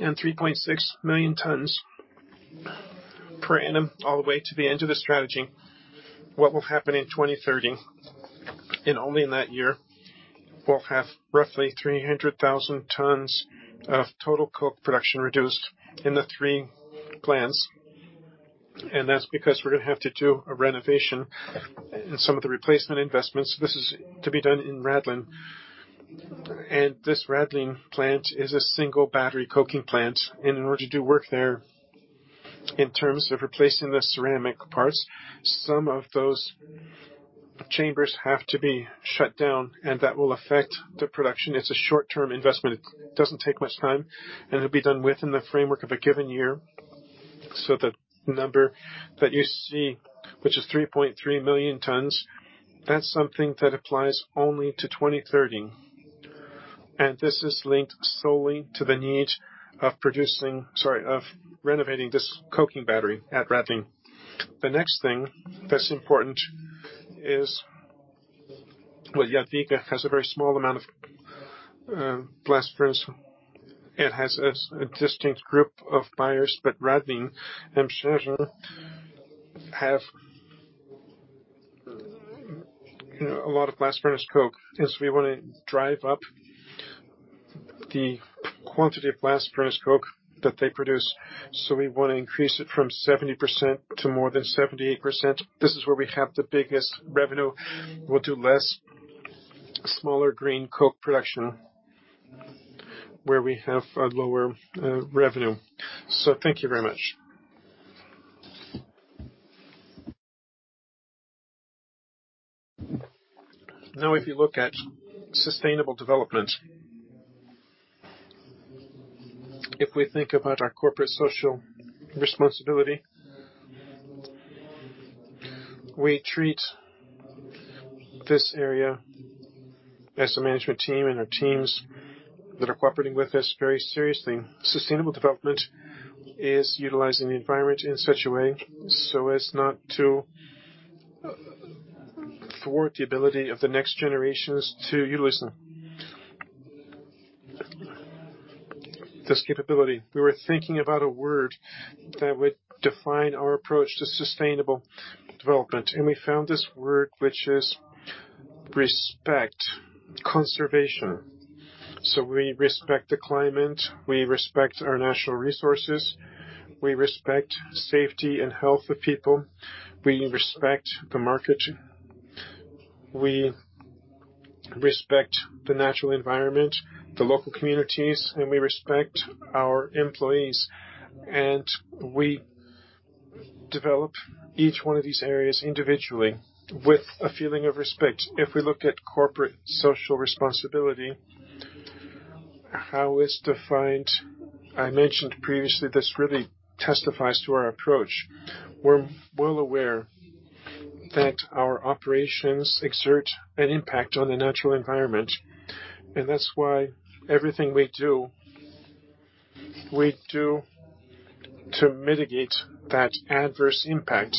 and 3.6 million tons per annum all the way to the end of the strategy. What will happen in 2030, and only in that year, we'll have roughly 300,000 tons of total coke production reduced in the three plants, and that's because we're gonna have to do a renovation and some of the replacement investments. This is to be done in Radlin. This Radlin plant is a single battery coking plant. In order to do work there in terms of replacing the ceramic parts, some of those chambers have to be shut down, and that will affect the production. It's a short-term investment. It doesn't take much time, and it'll be done within the framework of a given year. The number that you see, which is 3.3 million tons, that's something that applies only to 2030. This is linked solely to the need of renovating this coking battery at Radlin. The next thing that's important is, well, Jadwiga has a very small amount of blast furnace. It has a distinct group of buyers that Radlin and Przyjaźń have, you know, a lot of blast furnace coke. Yes, we wanna drive up the quantity of blast furnace coke that they produce. We want to increase it from 70% to more than 78%. This is where we have the biggest revenue. We'll do less, smaller green coke production where we have a lower revenue. Thank you very much. Now, if you look at sustainable development. If we think about our corporate social responsibility, we treat this area as a management team and our teams that are cooperating with us very seriously. Sustainable development is utilizing the environment in such a way so as not to thwart the ability of the next generations to utilize them. This capability, we were thinking about a word that would define our approach to sustainable development, and we found this word, which is respect, conservation. We respect the climate, we respect our natural resources, we respect safety and health of people, we respect the market, we respect the natural environment, the local communities, and we respect our employees, and we develop each one of these areas individually with a feeling of respect. If we look at corporate social responsibility, how it's defined, I mentioned previously, this really testifies to our approach. We're well aware that our operations exert an impact on the natural environment, and that's why everything we do, we do to mitigate that adverse impact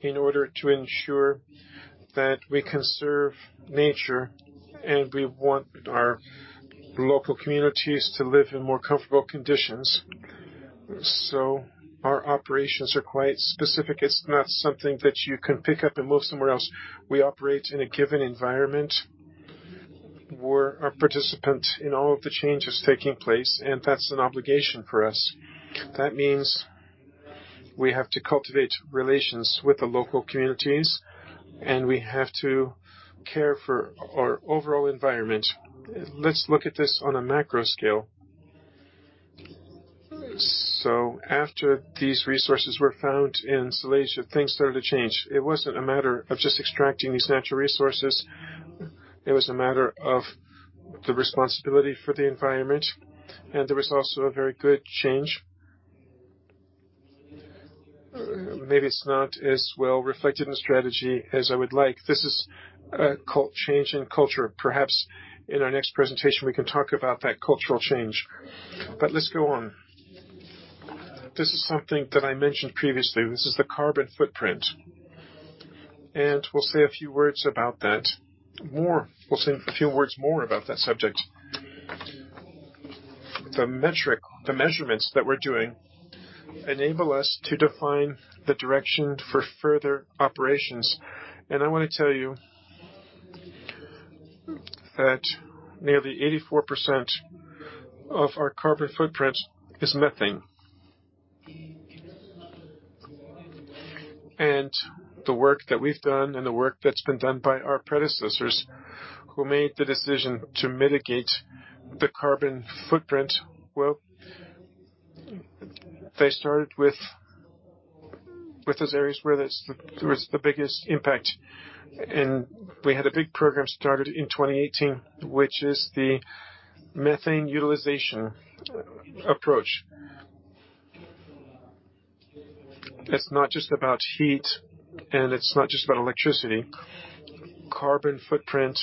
in order to ensure that we conserve nature, and we want our local communities to live in more comfortable conditions. Our operations are quite specific. It's not something that you can pick up and move somewhere else. We operate in a given environment. We're a participant in all of the changes taking place, and that's an obligation for us. That means we have to cultivate relations with the local communities, and we have to care for our overall environment. Let's look at this on a macro scale. After these resources were found in Silesia, things started to change. It wasn't a matter of just extracting these natural resources. It was a matter of the responsibility for the environment, and there was also a very good change. Maybe it's not as well reflected in strategy as I would like. This is a change in culture. Perhaps in our next presentation, we can talk about that cultural change. Let's go on. This is something that I mentioned previously. This is the carbon footprint, and we'll say a few words about that. We'll say a few more words about that subject. The metric, the measurements that we're doing enable us to define the direction for further operations, and I wanna tell you that nearly 84% of our carbon footprint is methane. The work that we've done and the work that's been done by our predecessors who made the decision to mitigate the carbon footprint, well, they started with those areas where there was the biggest impact. We had a big program started in 2018, which is the methane utilization approach. It's not just about heat, and it's not just about electricity. Carbon footprint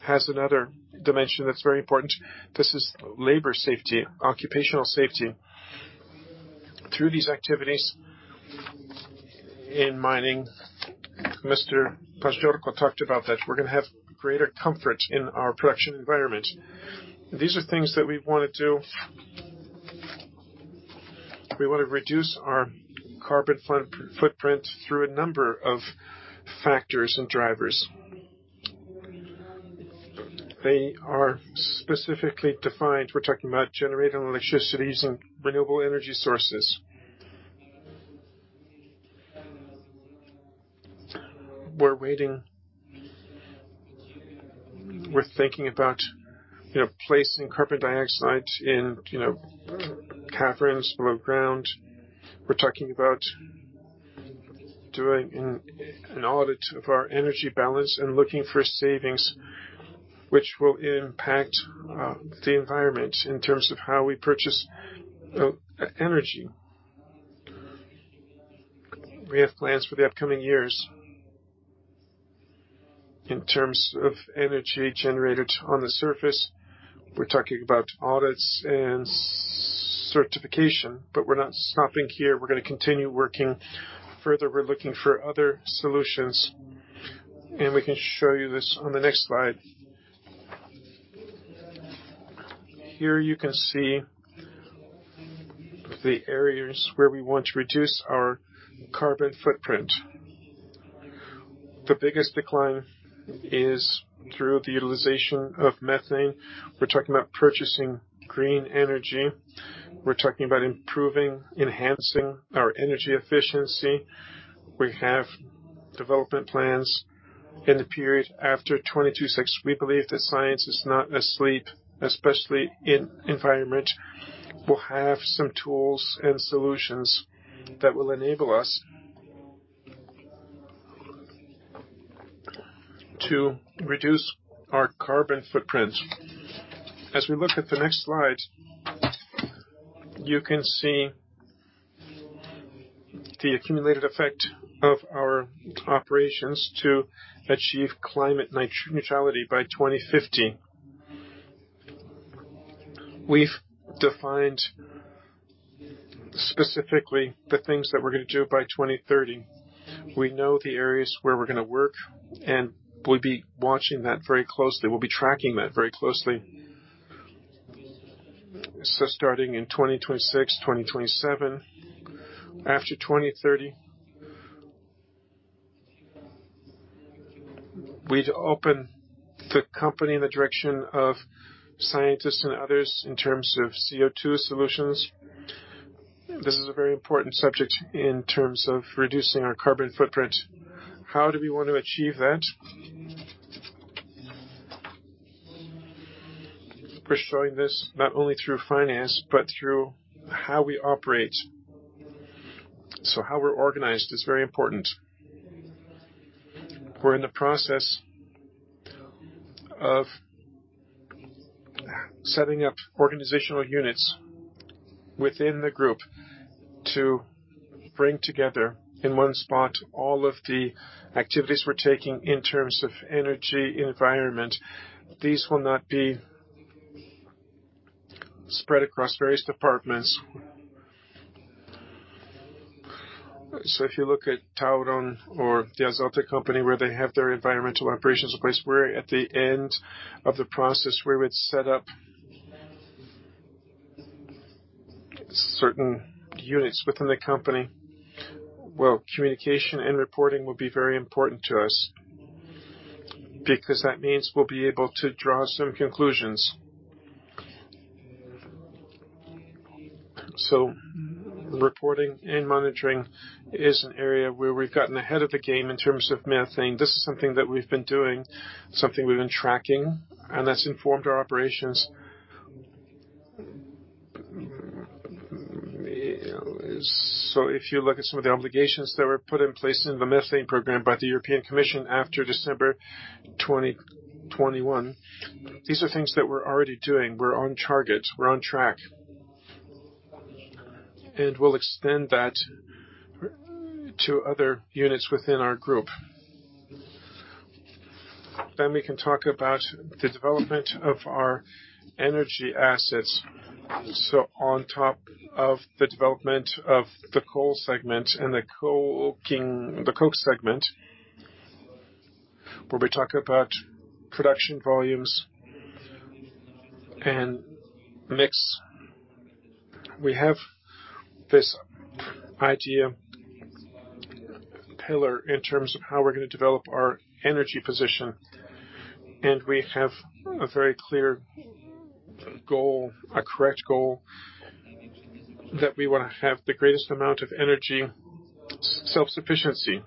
has another dimension that's very important. This is labor safety, occupational safety. Through these activities in mining, Mr. Paździorko talked about that. We're gonna have greater comfort in our production environment. These are things that we wanna do. We wanna reduce our carbon footprint through a number of factors and drivers. They are specifically defined. We're talking about generating electricity, using renewable energy sources. We're waiting. We're thinking about, you know, placing carbon dioxide in, you know, caverns below ground. We're talking about doing an audit of our energy balance and looking for savings which will impact the environment in terms of how we purchase energy. We have plans for the upcoming years. In terms of energy generated on the surface, we're talking about audits and certification, but we're not stopping here. We're gonna continue working further. We're looking for other solutions, and we can show you this on the next slide. Here you can see the areas where we want to reduce our carbon footprint. The biggest decline is through the utilization of methane. We're talking about purchasing green energy. We're talking about improving, enhancing our energy efficiency. We have development plans in the period after 2026. We believe that science is not asleep, especially in environment. We'll have some tools and solutions that will enable us to reduce our carbon footprint. As we look at the next slide, you can see the accumulated effect of our operations to achieve climate neutrality by 2050. We've defined specifically the things that we're gonna do by 2030. We know the areas where we're gonna work, and we'll be watching that very closely. We'll be tracking that very closely. Starting in 2026, 2027, after 2030, we'd open the company in the direction of scientists and others in terms of CO2 solutions. This is a very important subject in terms of reducing our carbon footprint. How do we want to achieve that? We're showing this not only through finance, but through how we operate. How we're organized is very important. We're in the process of setting up organizational units within the group to bring together in one spot all of the activities we're taking in terms of energy environment. These will not be spread across various departments. If you look at TAURON or the Azoty company, where they have their environmental operations in place. We're at the end of the process where we'd set up certain units within the company. Well, communication and reporting will be very important to us because that means we'll be able to draw some conclusions. Reporting and monitoring is an area where we've gotten ahead of the game in terms of methane. This is something that we've been doing, something we've been tracking, and that's informed our operations. If you look at some of the obligations that were put in place in the methane program by the European Commission after December 2021, these are things that we're already doing. We're on target, we're on track. We'll extend that to other units within our group. We can talk about the development of our energy assets. On top of the development of the coal segment and the coke segment, where we talk about production volumes and mix, we have this idea pillar in terms of how we're gonna develop our energy position, and we have a very clear goal, a correct goal, that we wanna have the greatest amount of energy self-sufficiency.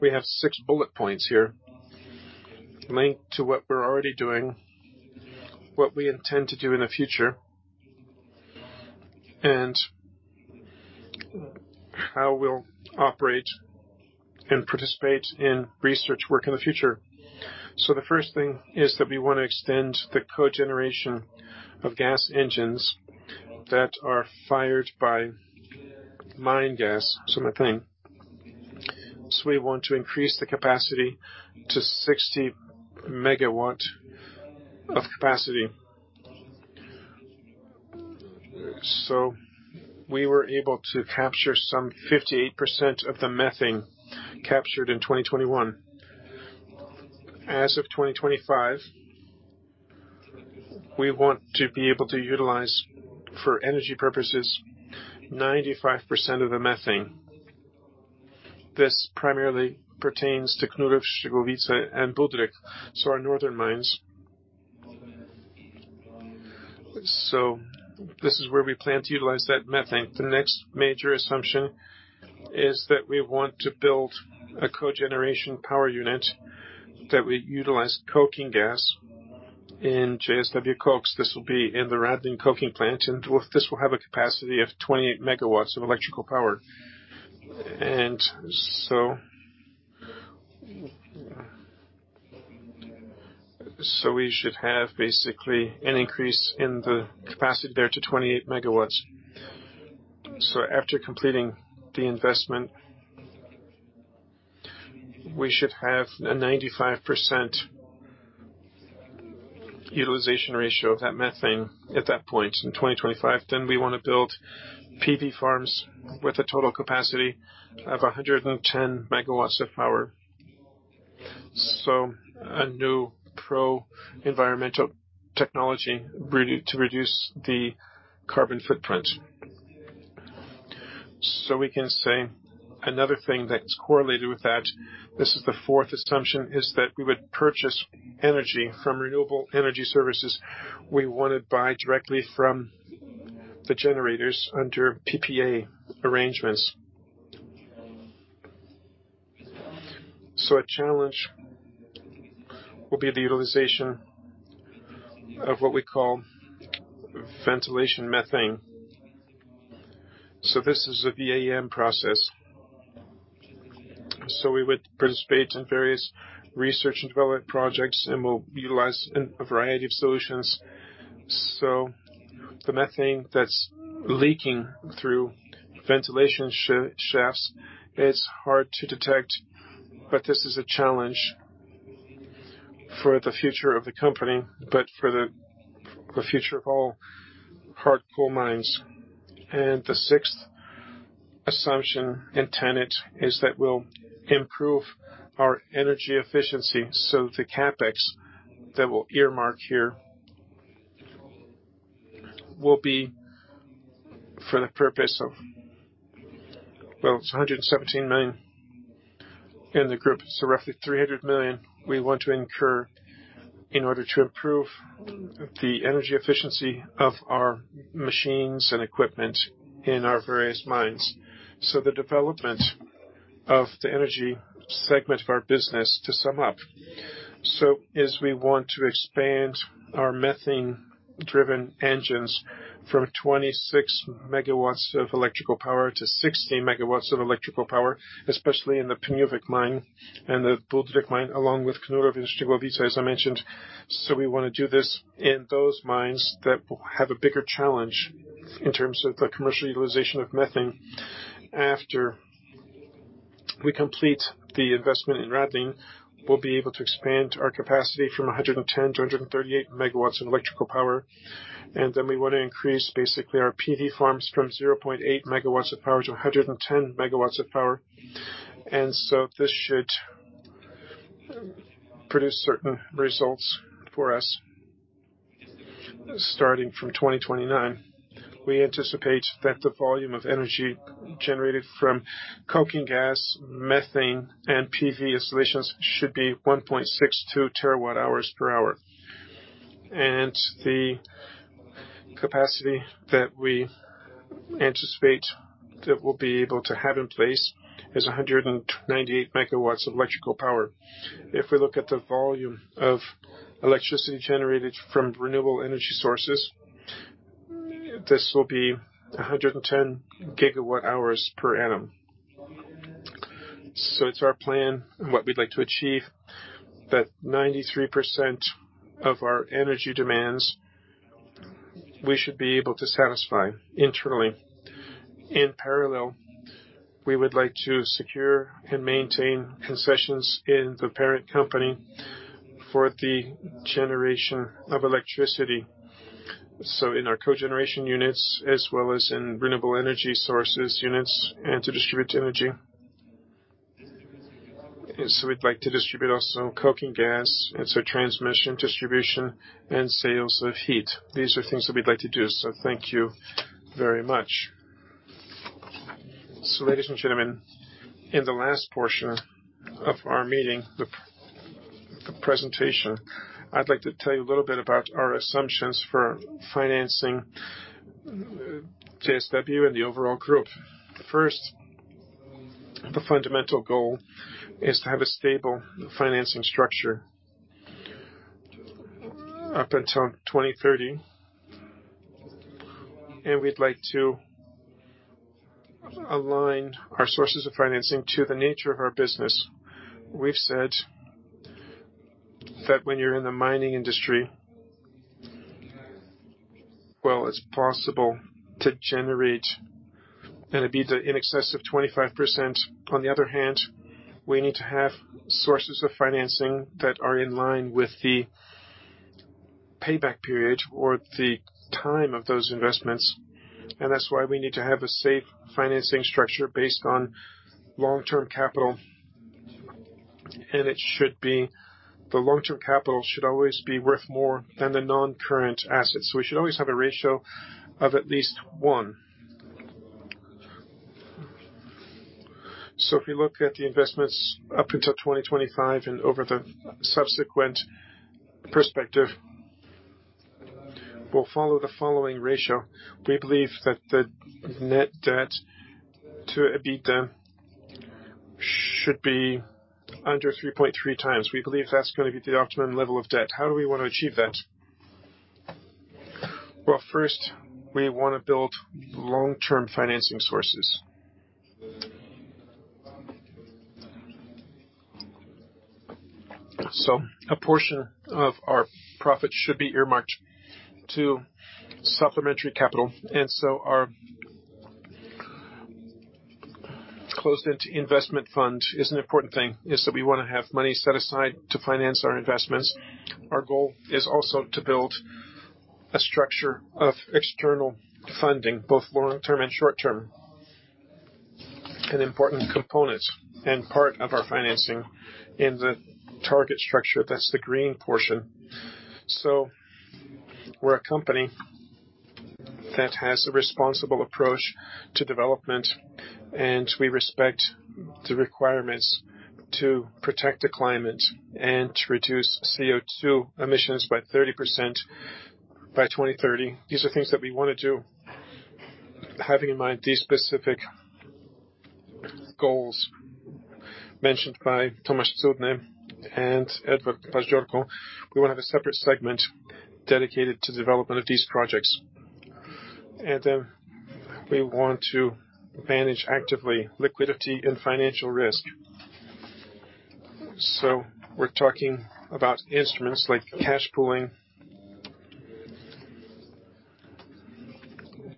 We have six bullet points here linked to what we're already doing, what we intend to do in the future, and how we'll operate and participate in research work in the future. The first thing is that we want to extend the cogeneration of gas engines that are fired by mine gas, so methane. We want to increase the capacity to 60 MW of capacity. We were able to capture some 58% of the methane captured in 2021. As of 2025, we want to be able to utilize for energy purposes 95% of the methane. This primarily pertains to Knurów-Szczygłowice, and Budryk, so our northern mines. This is where we plan to utilize that methane. The next major assumption is that we want to build a cogeneration power unit that will utilize coking gas in JSW KOKS. This will be in the Radlin coking plant, and this will have a capacity of 28 MW of electrical power. We should have basically an increase in the capacity there to 28 MW. After completing the investment, we should have a 95% utilization ratio of that methane at that point in 2025. We wanna build PV farms with a total capacity of 110 MW of power. A new pro-environmental technology to reduce the carbon footprint. We can say another thing that's correlated with that, this is the fourth assumption, is that we would purchase energy from renewable energy services. We wanna buy directly from the generators under PPA arrangements. A challenge will be the utilization of what we call ventilation methane. This is a VAM process. We would participate in various research and development projects, and we'll utilize a variety of solutions. The methane that's leaking through ventilation shafts, it's hard to detect, but this is a challenge for the future of the company, but for the future of all hard coal mines. The sixth assumption and tenet is that we'll improve our energy efficiency. The CapEx that we'll earmark here will be for the purpose of. Well, it's 117 million in the group, so roughly 300 million we want to incur in order to improve the energy efficiency of our machines and equipment in our various mines. The development of the energy segment of our business, to sum up. We want to expand our methane-driven engines from 26 MW of electrical power to 60 MW of electrical power, especially in the Pniówek mine and the Budryk mine, along with Knurów-Szczygłowice, as I mentioned. We wanna do this in those mines that have a bigger challenge in terms of the commercial utilization of methane. After we complete the investment in Radlin, we'll be able to expand our capacity from 110 MW-138 MW in electrical power, and then we wanna increase basically our PV farms from 0.8 MW of power to 110 MW of power. This should produce certain results for us. Starting from 2029, we anticipate that the volume of energy generated from coking gas, methane, and PV installations should be 1.62 TWh per hour. The capacity that we anticipate that we'll be able to have in place is 198 MW of electrical power. If we look at the volume of electricity generated from renewable energy sources, this will be 110 GWh per annum. It's our plan and what we'd like to achieve, that 93% of our energy demands we should be able to satisfy internally. In parallel, we would like to secure and maintain concessions in the parent company for the generation of electricity. In our cogeneration units as well as in renewable energy sources units and to distribute energy. We'd like to distribute also coking gas and so transmission, distribution, and sales of heat. These are things that we'd like to do. Thank you very much. Ladies and gentlemen, in the last portion of our meeting, the presentation, I'd like to tell you a little bit about our assumptions for financing JSW and the overall group. The fundamental goal is to have a stable financing structure up until 2030, and we'd like to align our sources of financing to the nature of our business. We've said that when you're in the mining industry, well, it's possible to generate an EBITDA in excess of 25%. On the other hand, we need to have sources of financing that are in line with the payback period or the time of those investments, and that's why we need to have a safe financing structure based on long-term capital. The long-term capital should always be worth more than the non-current assets. We should always have a ratio of at least one. If we look at the investments up until 2025 and over the subsequent perspective, we'll follow the following ratio. We believe that the net debt-to-EBITDA should be under 3.3x. We believe that's gonna be the optimum level of debt. How do we wanna achieve that? Well, first, we wanna build long-term financing sources. A portion of our profits should be earmarked to supplementary capital. Our closed-end investment fund is an important thing, is that we wanna have money set aside to finance our investments. Our goal is also to build a structure of external funding, both long-term and short-term. An important component and part of our financing in the target structure, that's the green portion. We're a company that has a responsible approach to development, and we respect the requirements to protect the climate and to reduce CO2 emissions by 30% by 2030. These are things that we wanna do. Having in mind these specific goals mentioned by Tomasz Cudny and Edward Paździorko, we will have a separate segment dedicated to development of these projects. We want to manage actively liquidity and financial risk. We're talking about instruments like cash pooling.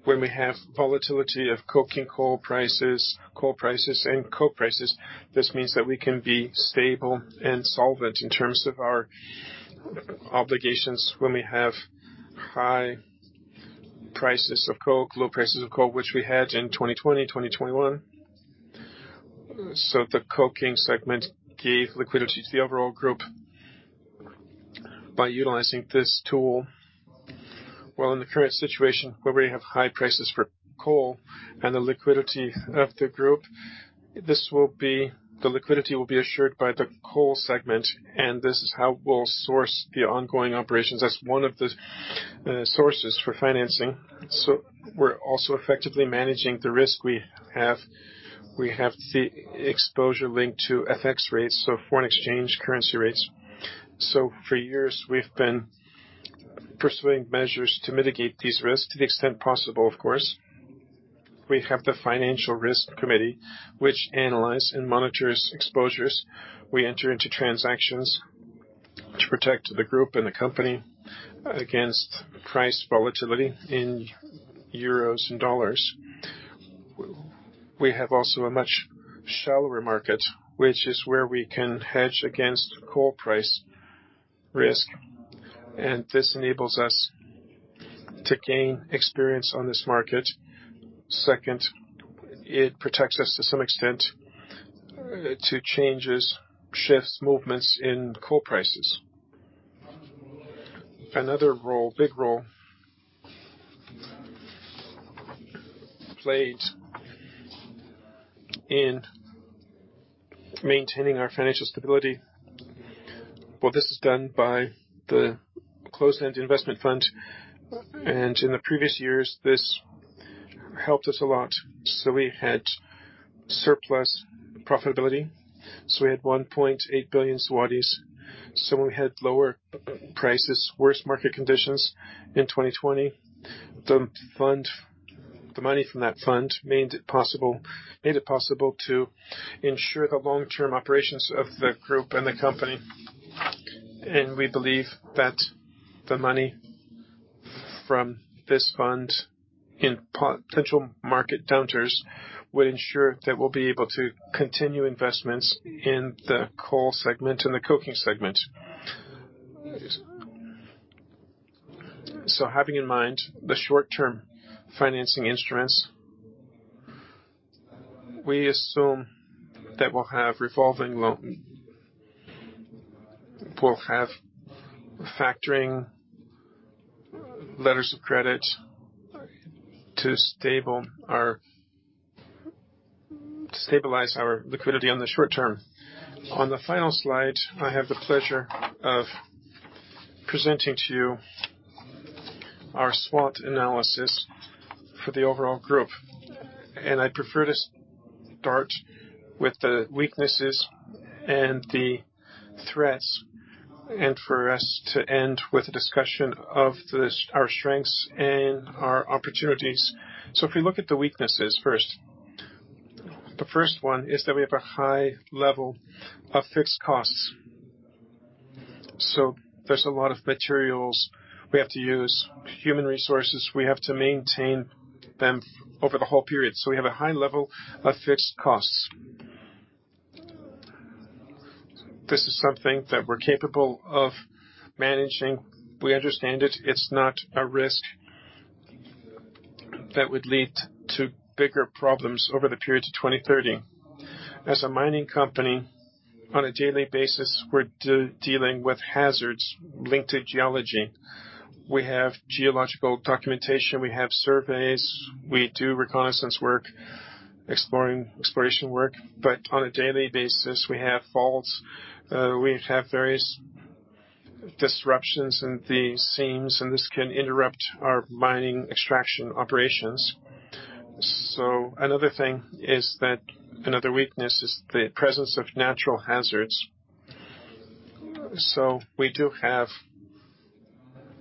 When we have volatility of coking coal prices, coal prices and coke prices, this means that we can be stable and solvent in terms of our obligations when we have high prices of coke, low prices of coal, which we had in 2020, 2021. The coking segment gave liquidity to the overall group by utilizing this tool. While in the current situation where we have high prices for coal and the liquidity of the group, the liquidity will be assured by the coal segment, and this is how we'll source the ongoing operations. That's one of the sources for financing. We're also effectively managing the risk we have. We have the exposure linked to FX rates, so foreign exchange currency rates. For years, we've been pursuing measures to mitigate these risks to the extent possible, of course. We have the financial risk committee, which analyze and monitors exposures. We enter into transactions to protect the group and the company against price volatility in euros and dollars. We have also a much shallower market, which is where we can hedge against coal price risk, and this enables us to gain experience on this market. Second, it protects us to some extent to changes, shifts, movements in coal prices. Another role, big role played in maintaining our financial stability. Well, this is done by the closed-end investment fund, and in the previous years, this helped us a lot. We had surplus profitability. We had 1.8 billion zlotys. When we had lower prices, worse market conditions in 2020, the money from that fund made it possible to ensure the long-term operations of the group and the company. We believe that the money from this fund in potential market downturns will ensure that we'll be able to continue investments in the coal segment and the coking segment. Having in mind the short-term financing instruments, we assume that we'll have revolving loan. We'll have factoring letters of credit to stabilize our liquidity on the short term. On the final slide, I have the pleasure of presenting to you our SWOT analysis for the overall group. I prefer to start with the weaknesses and the threats, and for us to end with a discussion of our strengths and our opportunities. If we look at the weaknesses first. The first one is that we have a high level of fixed costs. There's a lot of materials we have to use, human resources, we have to maintain them over the whole period. We have a high level of fixed costs. This is something that we're capable of managing. We understand it. It's not a risk that would lead to bigger problems over the period to 2030. As a mining company, on a daily basis, we're dealing with hazards linked to geology. We have geological documentation, we have surveys, we do reconnaissance work, exploration work, but on a daily basis, we have faults, we have various disruptions in the seams, and this can interrupt our mining extraction operations. Another weakness is the presence of natural hazards. We do have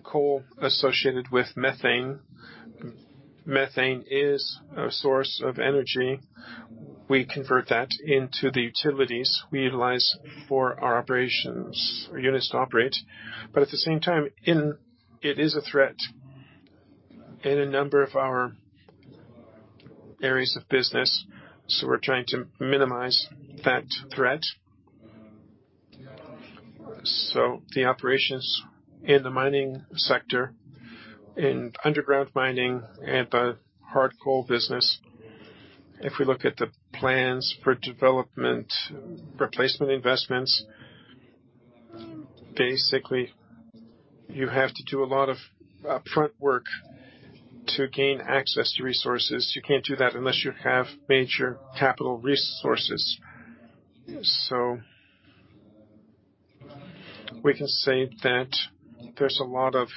coal associated with methane. Methane is a source of energy. We convert that into the utilities we utilize for our operations or units to operate. At the same time, it is a threat in a number of our areas of business, so we're trying to minimize that threat. The operations in the mining sector, in underground mining and the hard coal business, if we look at the plans for development, replacement investments, basically, you have to do a lot of front work to gain access to resources. You can't do that unless you have major capital resources. We can say that there's a lot of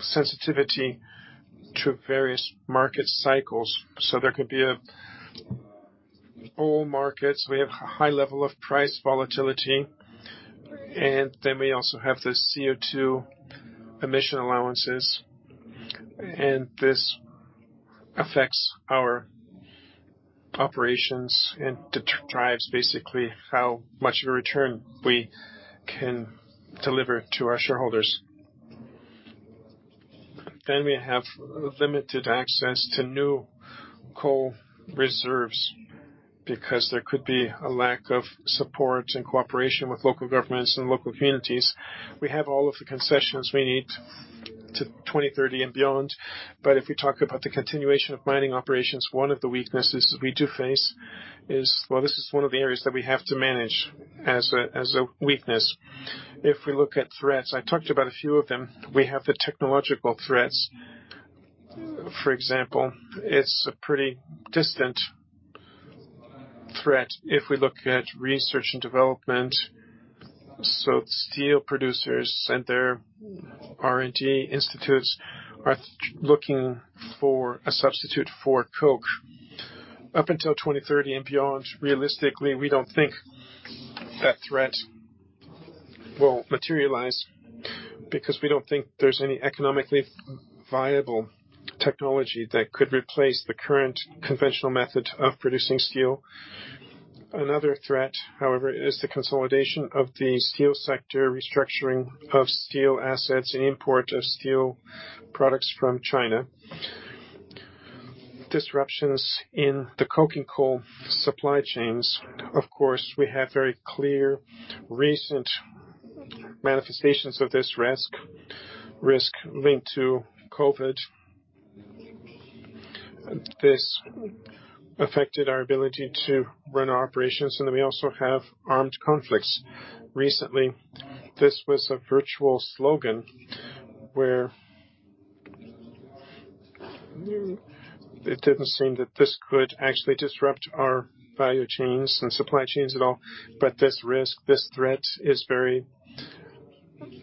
sensitivity to various market cycles. There could be oil markets. We have high level of price volatility, and then we also have the CO2 emission allowances. This affects our operations and drives basically how much of a return we can deliver to our shareholders. We have limited access to new coal reserves because there could be a lack of support and cooperation with local governments and local communities. We have all of the concessions we need to 2030 and beyond. If we talk about the continuation of mining operations, one of the weaknesses we do face is. Well, this is one of the areas that we have to manage as a weakness. If we look at threats, I talked about a few of them. We have the technological threats. For example, it's a pretty distant threat if we look at research and development. Steel producers and their R&D institutes are looking for a substitute for coke. Up until 2030 and beyond, realistically, we don't think that threat will materialize because we don't think there's any economically viable technology that could replace the current conventional method of producing steel. Another threat, however, is the consolidation of the steel sector, restructuring of steel assets, and import of steel products from China. Disruptions in the coking coal supply chains. Of course, we have very clear recent manifestations of this risk linked to COVID. This affected our ability to run our operations, and then we also have armed conflicts. Recently, this was a virtual slogan where it didn't seem that this could actually disrupt our value chains and supply chains at all, but this risk, this threat, is very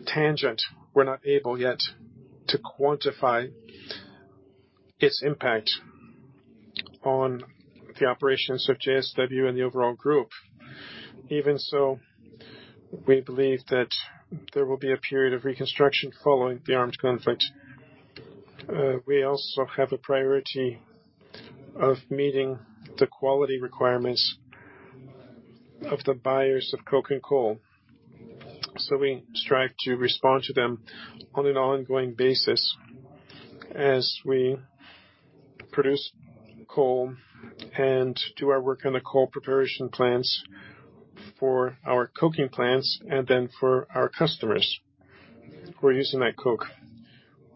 tangible. We're not able yet to quantify its impact on the operations of JSW and the overall group. Even so, we believe that there will be a period of reconstruction following the armed conflict. We also have a priority of meeting the quality requirements of the buyers of coking coal. We strive to respond to them on an ongoing basis as we produce coal and do our work in the coal preparation plants for our coking plants and then for our customers who are using that coke.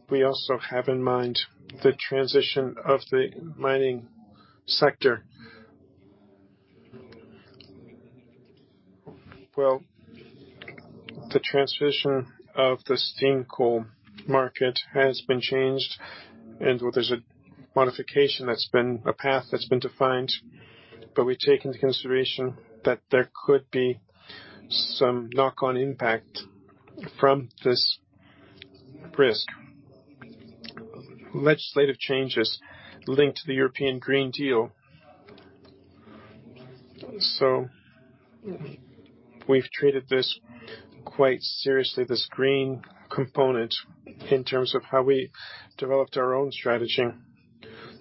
We also have in mind the transition of the mining sector. Well, the transition of the steam coal market has been changed, and there's a modification, a path that's been defined, but we take into consideration that there could be some knock-on impact from this risk. Legislative changes linked to the European Green Deal. We've treated this quite seriously, this green component, in terms of how we developed our own strategy,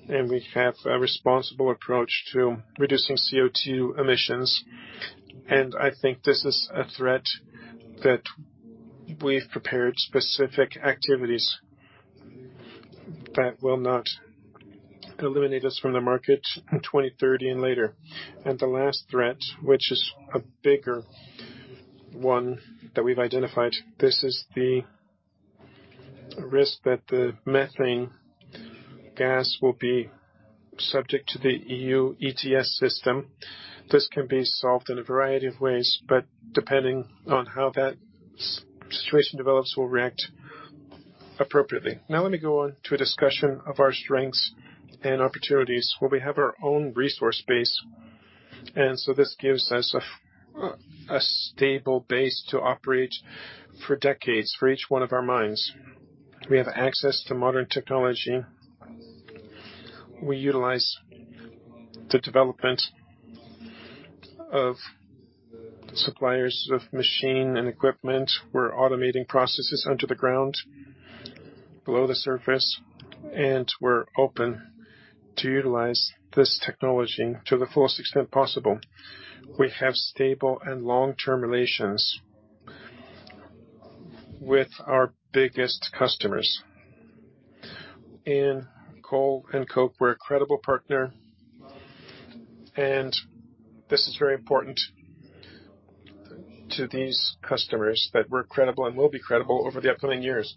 and we have a responsible approach to reducing CO2 emissions. I think this is a threat that we've prepared specific activities that will not eliminate us from the market in 2030 and later. The last threat, which is a bigger one that we've identified, this is the risk that the methane gas will be subject to the EU ETS system. This can be solved in a variety of ways, but depending on how that situation develops, we'll react appropriately. Now let me go on to a discussion of our strengths and opportunities, where we have our own resource base. This gives us a stable base to operate for decades for each one of our mines. We have access to modern technology. We utilize the development of suppliers of machinery and equipment. We're automating processes under the ground, below the surface, and we're open to utilize this technology to the fullest extent possible. We have stable and long-term relations with our biggest customers. In coal and coke, we're a credible partner, and this is very important to these customers that we're credible and will be credible over the upcoming years.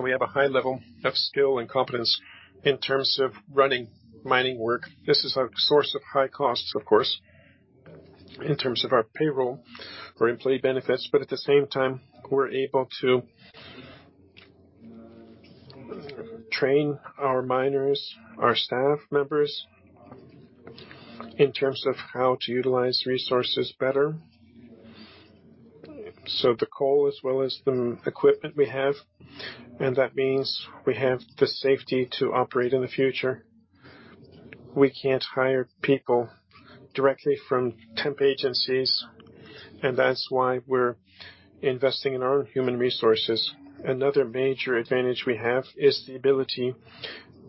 We have a high level of skill and competence in terms of running mining work. This is a source of high costs, of course, in terms of our payroll or employee benefits, but at the same time, we're able to train our miners, our staff members in terms of how to utilize resources better. The coal as well as the equipment we have, and that means we have the safety to operate in the future. We can't hire people directly from temp agencies, and that's why we're investing in our human resources. Another major advantage we have is the ability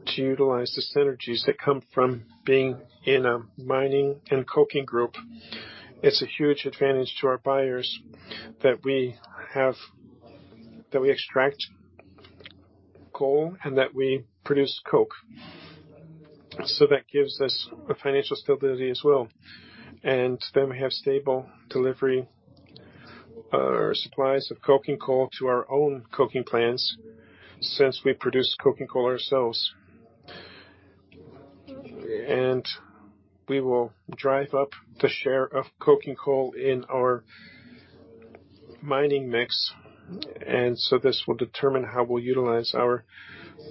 to utilize the synergies that come from being in a mining and coking group. It's a huge advantage to our buyers that we extract coal and that we produce coke. That gives us a financial stability as well. We have stable delivery or supplies of coking coal to our own coking plants since we produce coking coal ourselves. We will drive up the share of coking coal in our mining mix, and so this will determine how we'll utilize our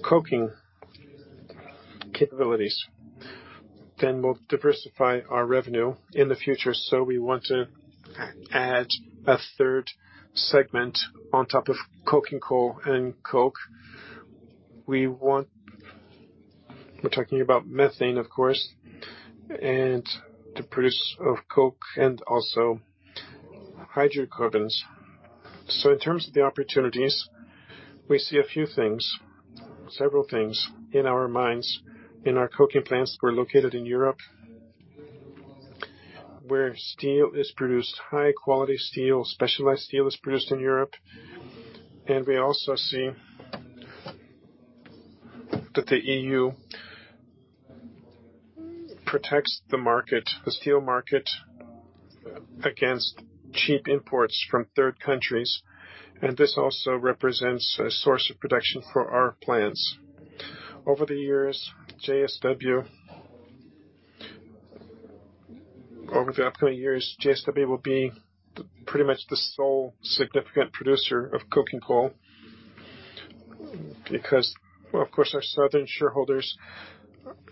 coking capabilities. We'll diversify our revenue in the future. We want to add a third segment on top of coking coal and coke. We're talking about methane, of course, and the products of coke and also hydrocarbons. In terms of the opportunities, we see a few things, several things in our minds. In our coking plants, we're located in Europe, where steel is produced, high-quality steel, specialized steel is produced in Europe. We also see that the EU protects the market, the steel market against cheap imports from third countries. This also represents a source of production for our plants. Over the upcoming years, JSW will be pretty much the sole significant producer of coking coal because, of course, our southern shareholders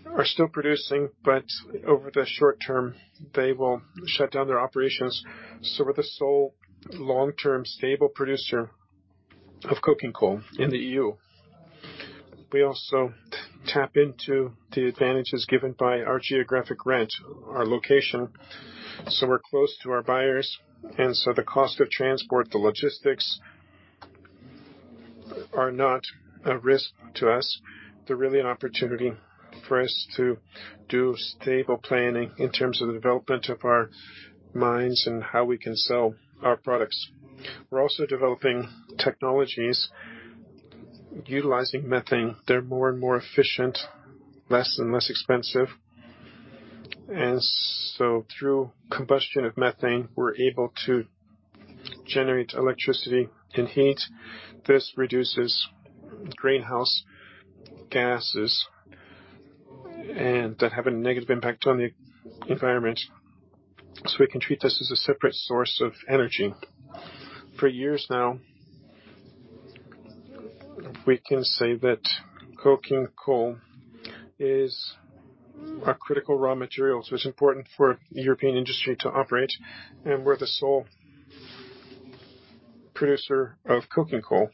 are still producing, but over the short term, they will shut down their operations. We're the sole long-term stable producer of coking coal in the EU. We also tap into the advantages given by our geographic rent, our location. We're close to our buyers, and so the cost of transport, the logistics are not a risk to us. They're really an opportunity for us to do stable planning in terms of the development of our mines and how we can sell our products. We're also developing technologies utilizing methane. They're more and more efficient, less and less expensive. Through combustion of methane, we're able to generate electricity and heat. This reduces greenhouse gases that have a negative impact on the environment. We can treat this as a separate source of energy. For years now, we can say that coking coal is a critical raw material, so it's important for European industry to operate, and we're the sole producer of coking coal.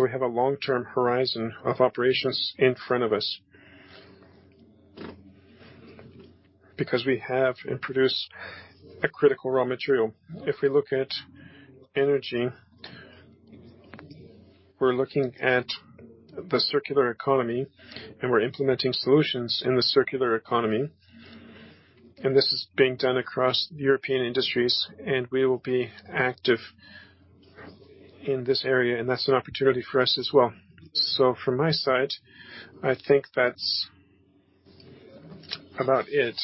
We have a long-term horizon of operations in front of us because we have and produce a critical raw material. If we look at energy, we're looking at the circular economy, and we're implementing solutions in the circular economy. This is being done across European industries, and we will be active in this area, and that's an opportunity for us as well. From my side, I think that's about it.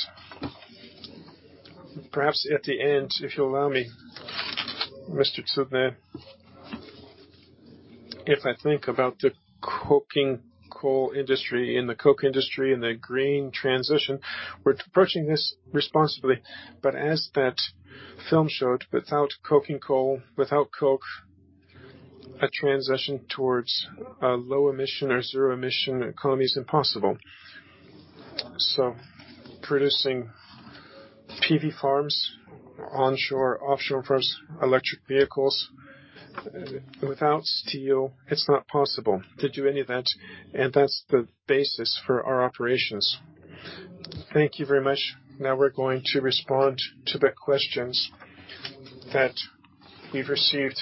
Perhaps at the end, if you'll allow me, Mr. Tomasz Cudny, if I think about the coking coal industry and the coke industry and the green transition, we're approaching this responsibly. As that film showed, without coking coal, without coke, a transition towards a low-emission or zero-emission economy is impossible. Producing PV farms, onshore, offshore farms, electric vehicles. Without steel, it's not possible to do any of that, and that's the basis for our operations. Thank you very much. Now we're going to respond to the questions that we've received.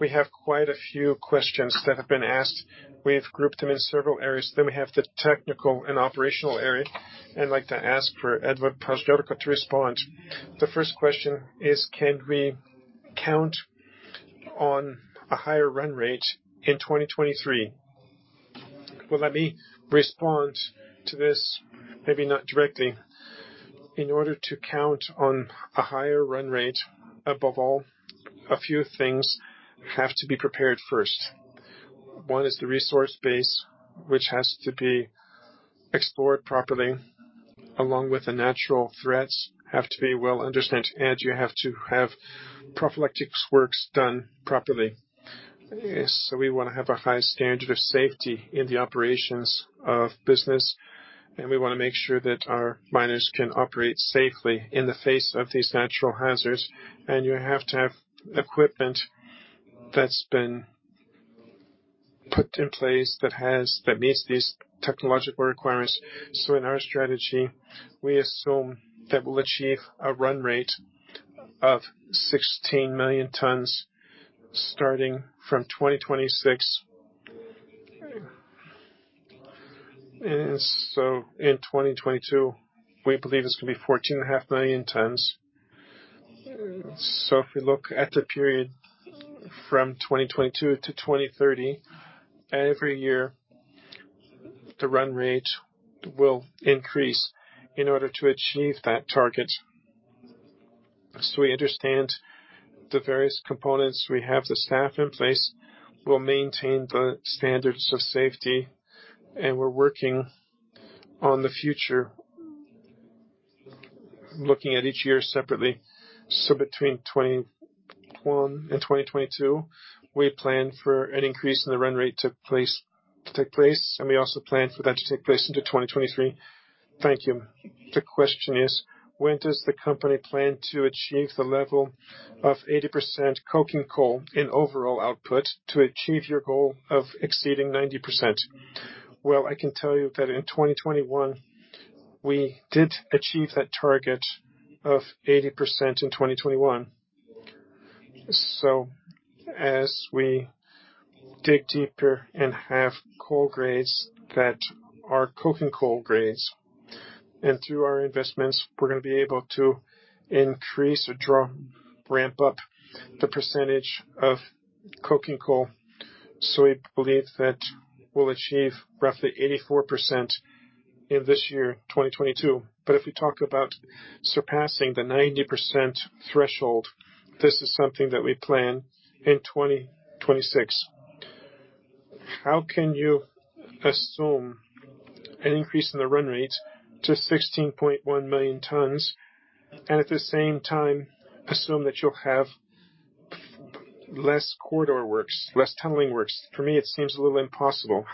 We have quite a few questions that have been asked. We have grouped them in several areas. We have the technical and operational area. I'd like to ask for Edward Paździorko to respond. The first question is: Can we count on a higher run rate in 2023? Well, let me respond to this, maybe not directly. In order to count on a higher run rate, above all, a few things have to be prepared first. One is the resource base, which has to be explored properly, along with the natural threats, have to be well understood, and you have to have prophylactics works done properly. We wanna have a high standard of safety in the operations of business, and we wanna make sure that our miners can operate safely in the face of these natural hazards. You have to have equipment that's been put in place that meets these technological requirements. In our strategy, we assume that we'll achieve a run rate of 16 million tons starting from 2026. In 2022, we believe it's gonna be 14.5 million tons. If you look at the period from 2022 to 2030, every year, the run rate will increase in order to achieve that target. We understand the various components. We have the staff in place. We'll maintain the standards of safety, and we're working on the future, looking at each year separately. Between 2021 and 2022, we plan for an increase in the run rate to take place, and we also plan for that to take place into 2023. Thank you. The question is, when does the company plan to achieve the level of 80% coking coal in overall output to achieve your goal of exceeding 90%? Well, I can tell you that in 2021, we did achieve that target of 80% in 2021. As we dig deeper and have coal grades that are coking coal grades, and through our investments, we're gonna be able to ramp up the percentage of coking coal. We believe that we'll achieve roughly 84% in this year, 2022. If we talk about surpassing the 90% threshold, this is something that we plan in 2026. How can you assume an increase in the run rate to 16.1 million tons and at the same time assume that you'll have less corridor works, less tunneling works? For me, it seems a little impossible.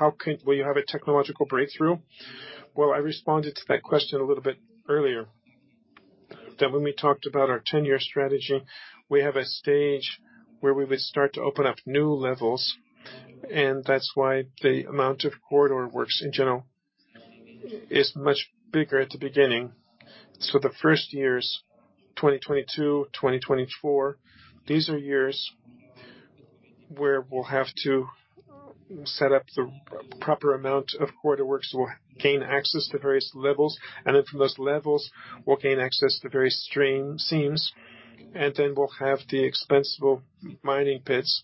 Will you have a technological breakthrough? Well, I responded to that question a little bit earlier, that when we talked about our 10-year strategy, we have a stage where we would start to open up new levels, and that's why the amount of corridor works, in general, is much bigger at the beginning. The first years, 2022, 2024, these are years where we'll have to set up the proper amount of corridor works to gain access to various levels. Then from those levels, we'll gain access to various seams, and then we'll have the expansible mining pits,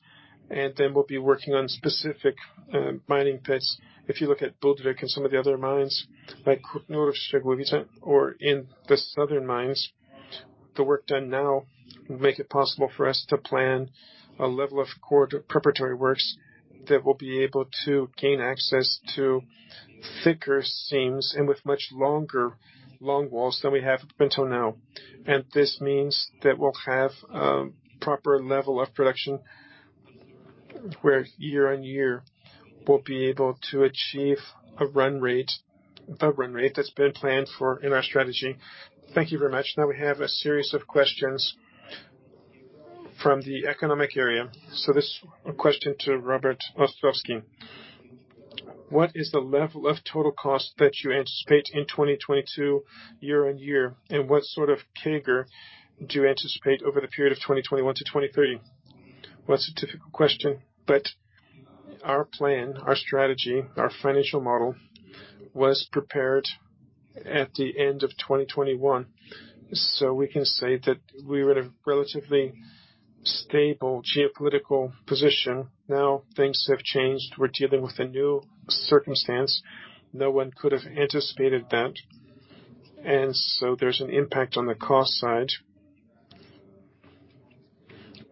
and then we'll be working on specific mining pits. If you look at Budryk and some of the other mines, like Knurów-Szczygłowice or in the Southern mines. To work that now, make it possible for us to plan a level of preparatory works that will be able to gain access to thicker seams and with much longer long walls that we have until now. And this means that we have proper level of production year-on-year, we'll be able to achieve run rate has been planned for in our strategy. Thank you very much. Now we have a series of questions from the economic area. A question to Robert Ostrowski, what is the level of total cost that you anticipate in 2022 year-on-year and what sort of CAGR do you anticipate over the period of 2021-2023? That's a difficult question, but our plan, our strategy, our financial model was prepared at the end of 2021. We can say that we were in a relatively stable geopolitical position. Now things have changed. We're dealing with a new circumstance. No one could have anticipated that. There's an impact on the cost side.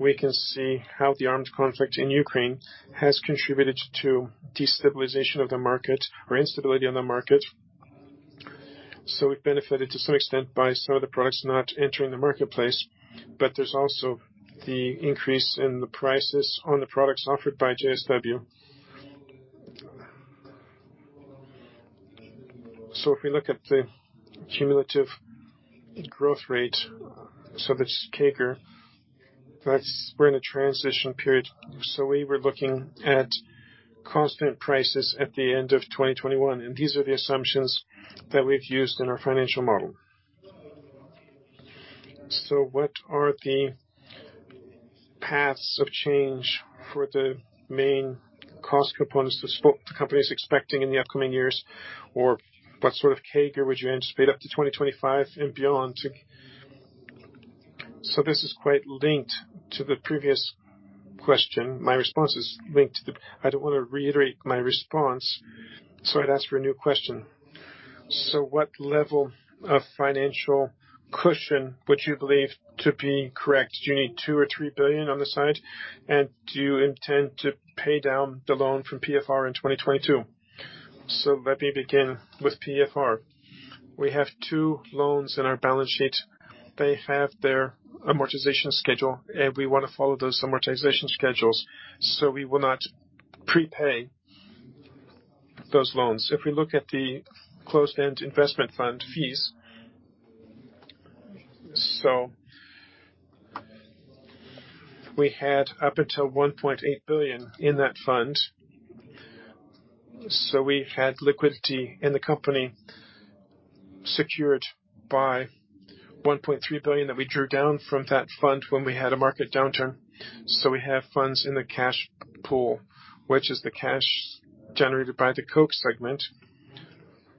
We can see how the armed conflict in Ukraine has contributed to destabilization of the market or instability on the market. We've benefited to some extent by some of the products not entering the marketplace, but there's also the increase in the prices on the products offered by JSW. If we look at the cumulative growth rate, so that's CAGR, that's where we're in a transition period. We were looking at constant prices at the end of 2021, and these are the assumptions that we've used in our financial model. What are the paths of change for the main cost components the company is expecting in the upcoming years? Or what sort of CAGR would you anticipate up to 2025 and beyond? This is quite linked to the previous question. My response is linked to the previous question. I don't wanna reiterate my response, so I'd ask for a new question. What level of financial cushion would you believe to be correct? Do you need 2 billion or 3 billion on the side? And do you intend to pay down the loan from PFR in 2022? Let me begin with PFR. We have two loans in our balance sheet. They have their amortization schedule, and we wanna follow those amortization schedules, so we will not prepay those loans. If we look at the closed-end investment fund fees, we had up until 1.8 billion in that fund. We had liquidity in the company secured by 1.3 billion that we drew down from that fund when we had a market downturn. We have funds in the cash pool, which is the cash generated by the coke segment,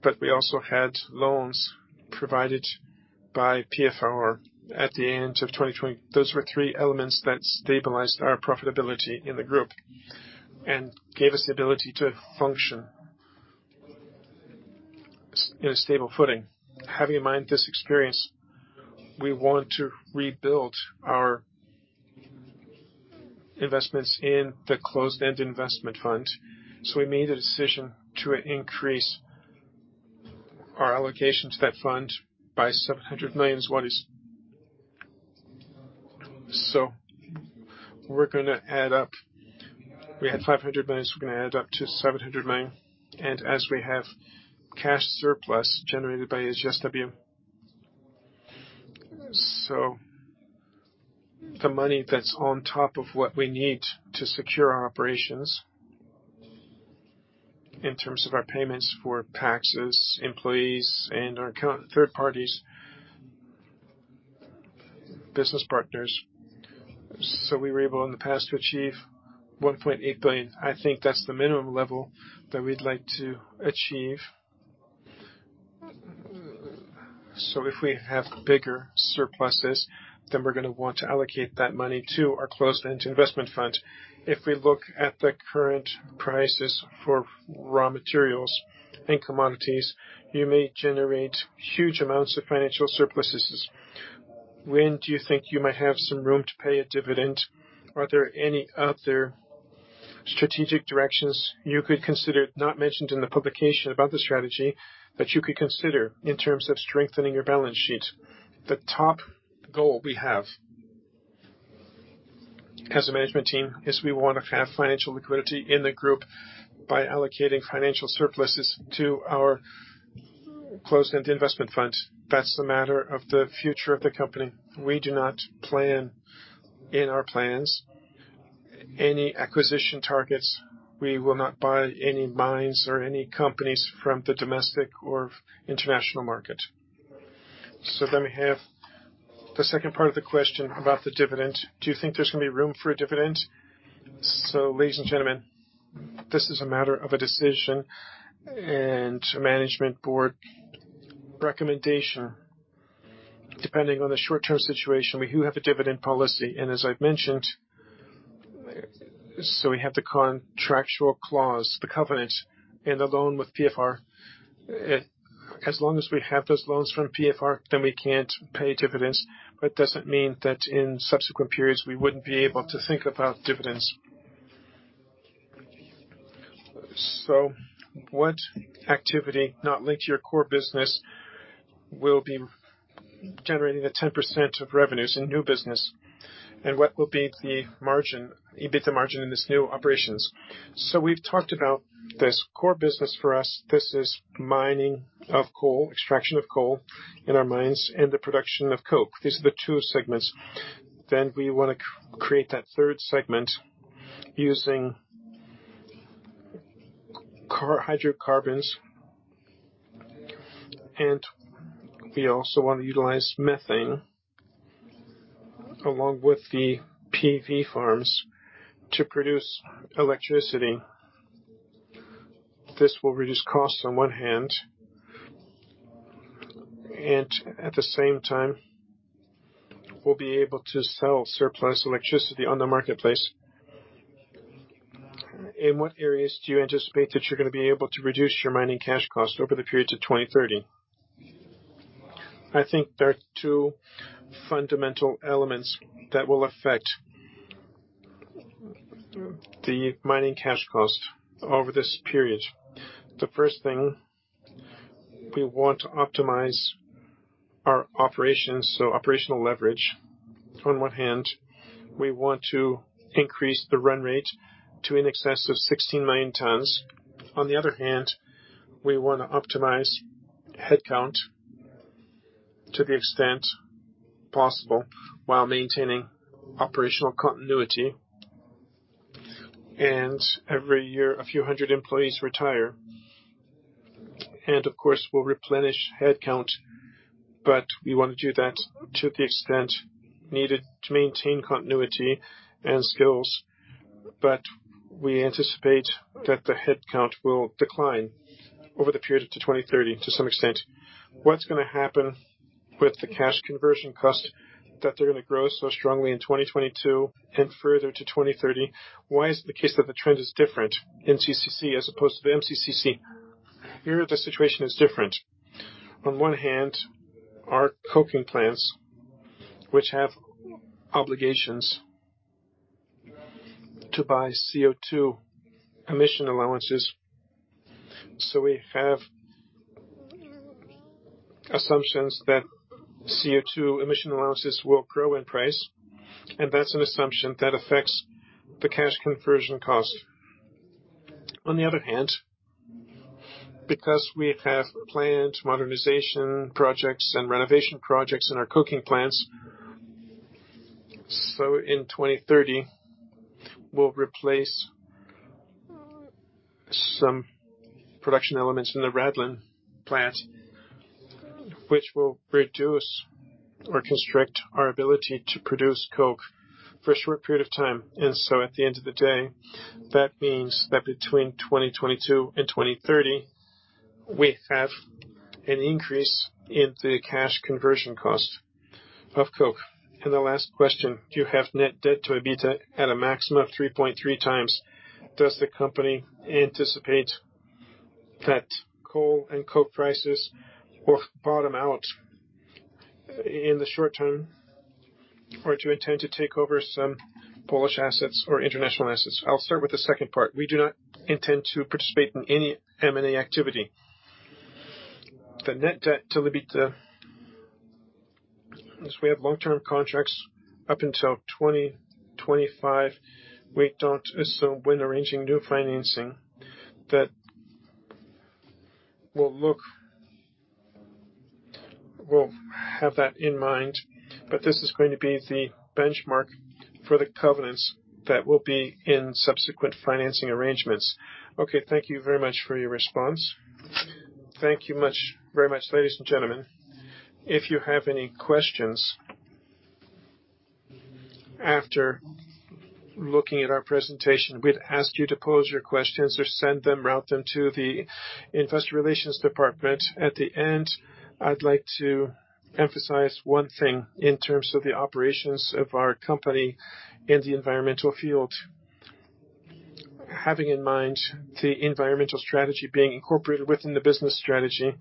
but we also had loans provided by PFR. Those were three elements that stabilized our profitability in the group and gave us the ability to function in a stable footing. Having in mind this experience, we want to rebuild our investments in the closed-end investment fund. We made a decision to increase our allocation to that fund by 700 million. We're gonna add up. We had 500 million. We're gonna add up to 700 million, and as we have cash surplus generated by JSW. The money that's on top of what we need to secure our operations in terms of our payments for taxes, employees, and our third parties, business partners. We were able in the past to achieve 1.8 billion. I think that's the minimum level that we'd like to achieve. If we have bigger surpluses, then we're gonna want to allocate that money to our closed-end investment fund. If we look at the current prices for raw materials and commodities, you may generate huge amounts of financial surpluses. When do you think you may have some room to pay a dividend? Are there any other strategic directions you could consider not mentioned in the publication about the strategy that you could consider in terms of strengthening your balance sheet? The top goal we have as a management team is we want to have financial liquidity in the group by allocating financial surpluses to our closed-end investment fund. That's the matter of the future of the company. We do not plan in our plans any acquisition targets. We will not buy any mines or any companies from the domestic or international market. We have the second part of the question about the dividend. Do you think there's gonna be room for a dividend? Ladies and gentlemen, this is a matter of a decision and a management board recommendation, depending on the short-term situation. We do have a dividend policy, and as I've mentioned, we have the contractual clause, the covenant, and the loan with PFR. As long as we have those loans from PFR, then we can't pay dividends. It doesn't mean that in subsequent periods, we wouldn't be able to think about dividends. What activity not linked to your core business will be generating the 10% of revenues in new business? What will be the margin, EBITDA margin in these new operations? We've talked about this core business for us. This is mining of coal, extraction of coal in our mines, and the production of coke. These are the two segments. We wanna create that third segment using hydrocarbons, and we also wanna utilize methane along with the PV farms to produce electricity. This will reduce costs on one hand, and at the same time, we'll be able to sell surplus electricity on the marketplace. In what areas do you anticipate that you're gonna be able to reduce your mining cash costs over the period to 2030? I think there are two fundamental elements that will affect the mining cash cost over this period. The first thing, we want to optimize our operations, so operational leverage. On one hand, we want to increase the run rate to in excess of 16 million tons. On the other hand, we wanna optimize headcount to the extent possible while maintaining operational continuity. Every year, a few hundred employees retire. Of course, we'll replenish headcount, but we wanna do that to the extent needed to maintain continuity and skills. We anticipate that the headcount will decline over the period to 2030 to some extent. What's gonna happen with the cash conversion cost that they're gonna grow so strongly in 2022 and further to 2030? Why is the case that the trend is different in CCC as opposed to the MCCC? Here, the situation is different. On one hand, our coking plants, which have obligations to buy CO2 emission allowances, so we have assumptions that CO2 emission allowances will grow in price, and that's an assumption that affects the cash conversion cost. On the other hand, because we have planned modernization projects and renovation projects in our coking plants, so in 2030, we'll replace some production elements in the Radlin plant, which will reduce or restrict our ability to produce coke for a short period of time. At the end of the day, that means that between 2022 and 2030, we have an increase in the cash conversion cost of coke. The last question, you have net debt-to-EBITDA at a maximum of 3.3x. Does the company anticipate that coal and coke prices will bottom out in the short term? Or do you intend to take over some Polish assets or international assets? I'll start with the second part. We do not intend to participate in any M&A activity. The net debt-to-EBITDA, as we have long-term contracts up until 2025, we don't. When arranging new financing, that will look. We'll have that in mind, but this is going to be the benchmark for the covenants that will be in subsequent financing arrangements. Okay, thank you very much for your response. Thank you very much, ladies and gentlemen. If you have any questions after looking at our presentation, we'd ask you to pose your questions or send them, route them to the investor relations department. At the end, I'd like to emphasize one thing in terms of the operations of our company in the environmental field. Having in mind the environmental strategy being incorporated within the business strategy,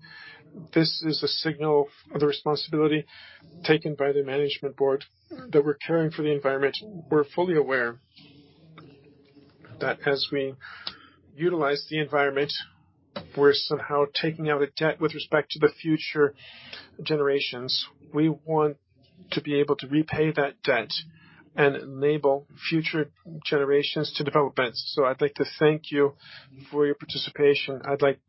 this is a signal of the responsibility taken by the management board that we're caring for the environment. We're fully aware that as we utilize the environment, we're somehow taking out a debt with respect to the future generations. We want to be able to repay that debt and enable future generations to develop it. I'd like to thank you for your participation. I'd like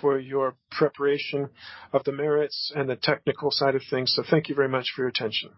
for your preparation of the merits and the technical side of things. Thank you very much for your attention.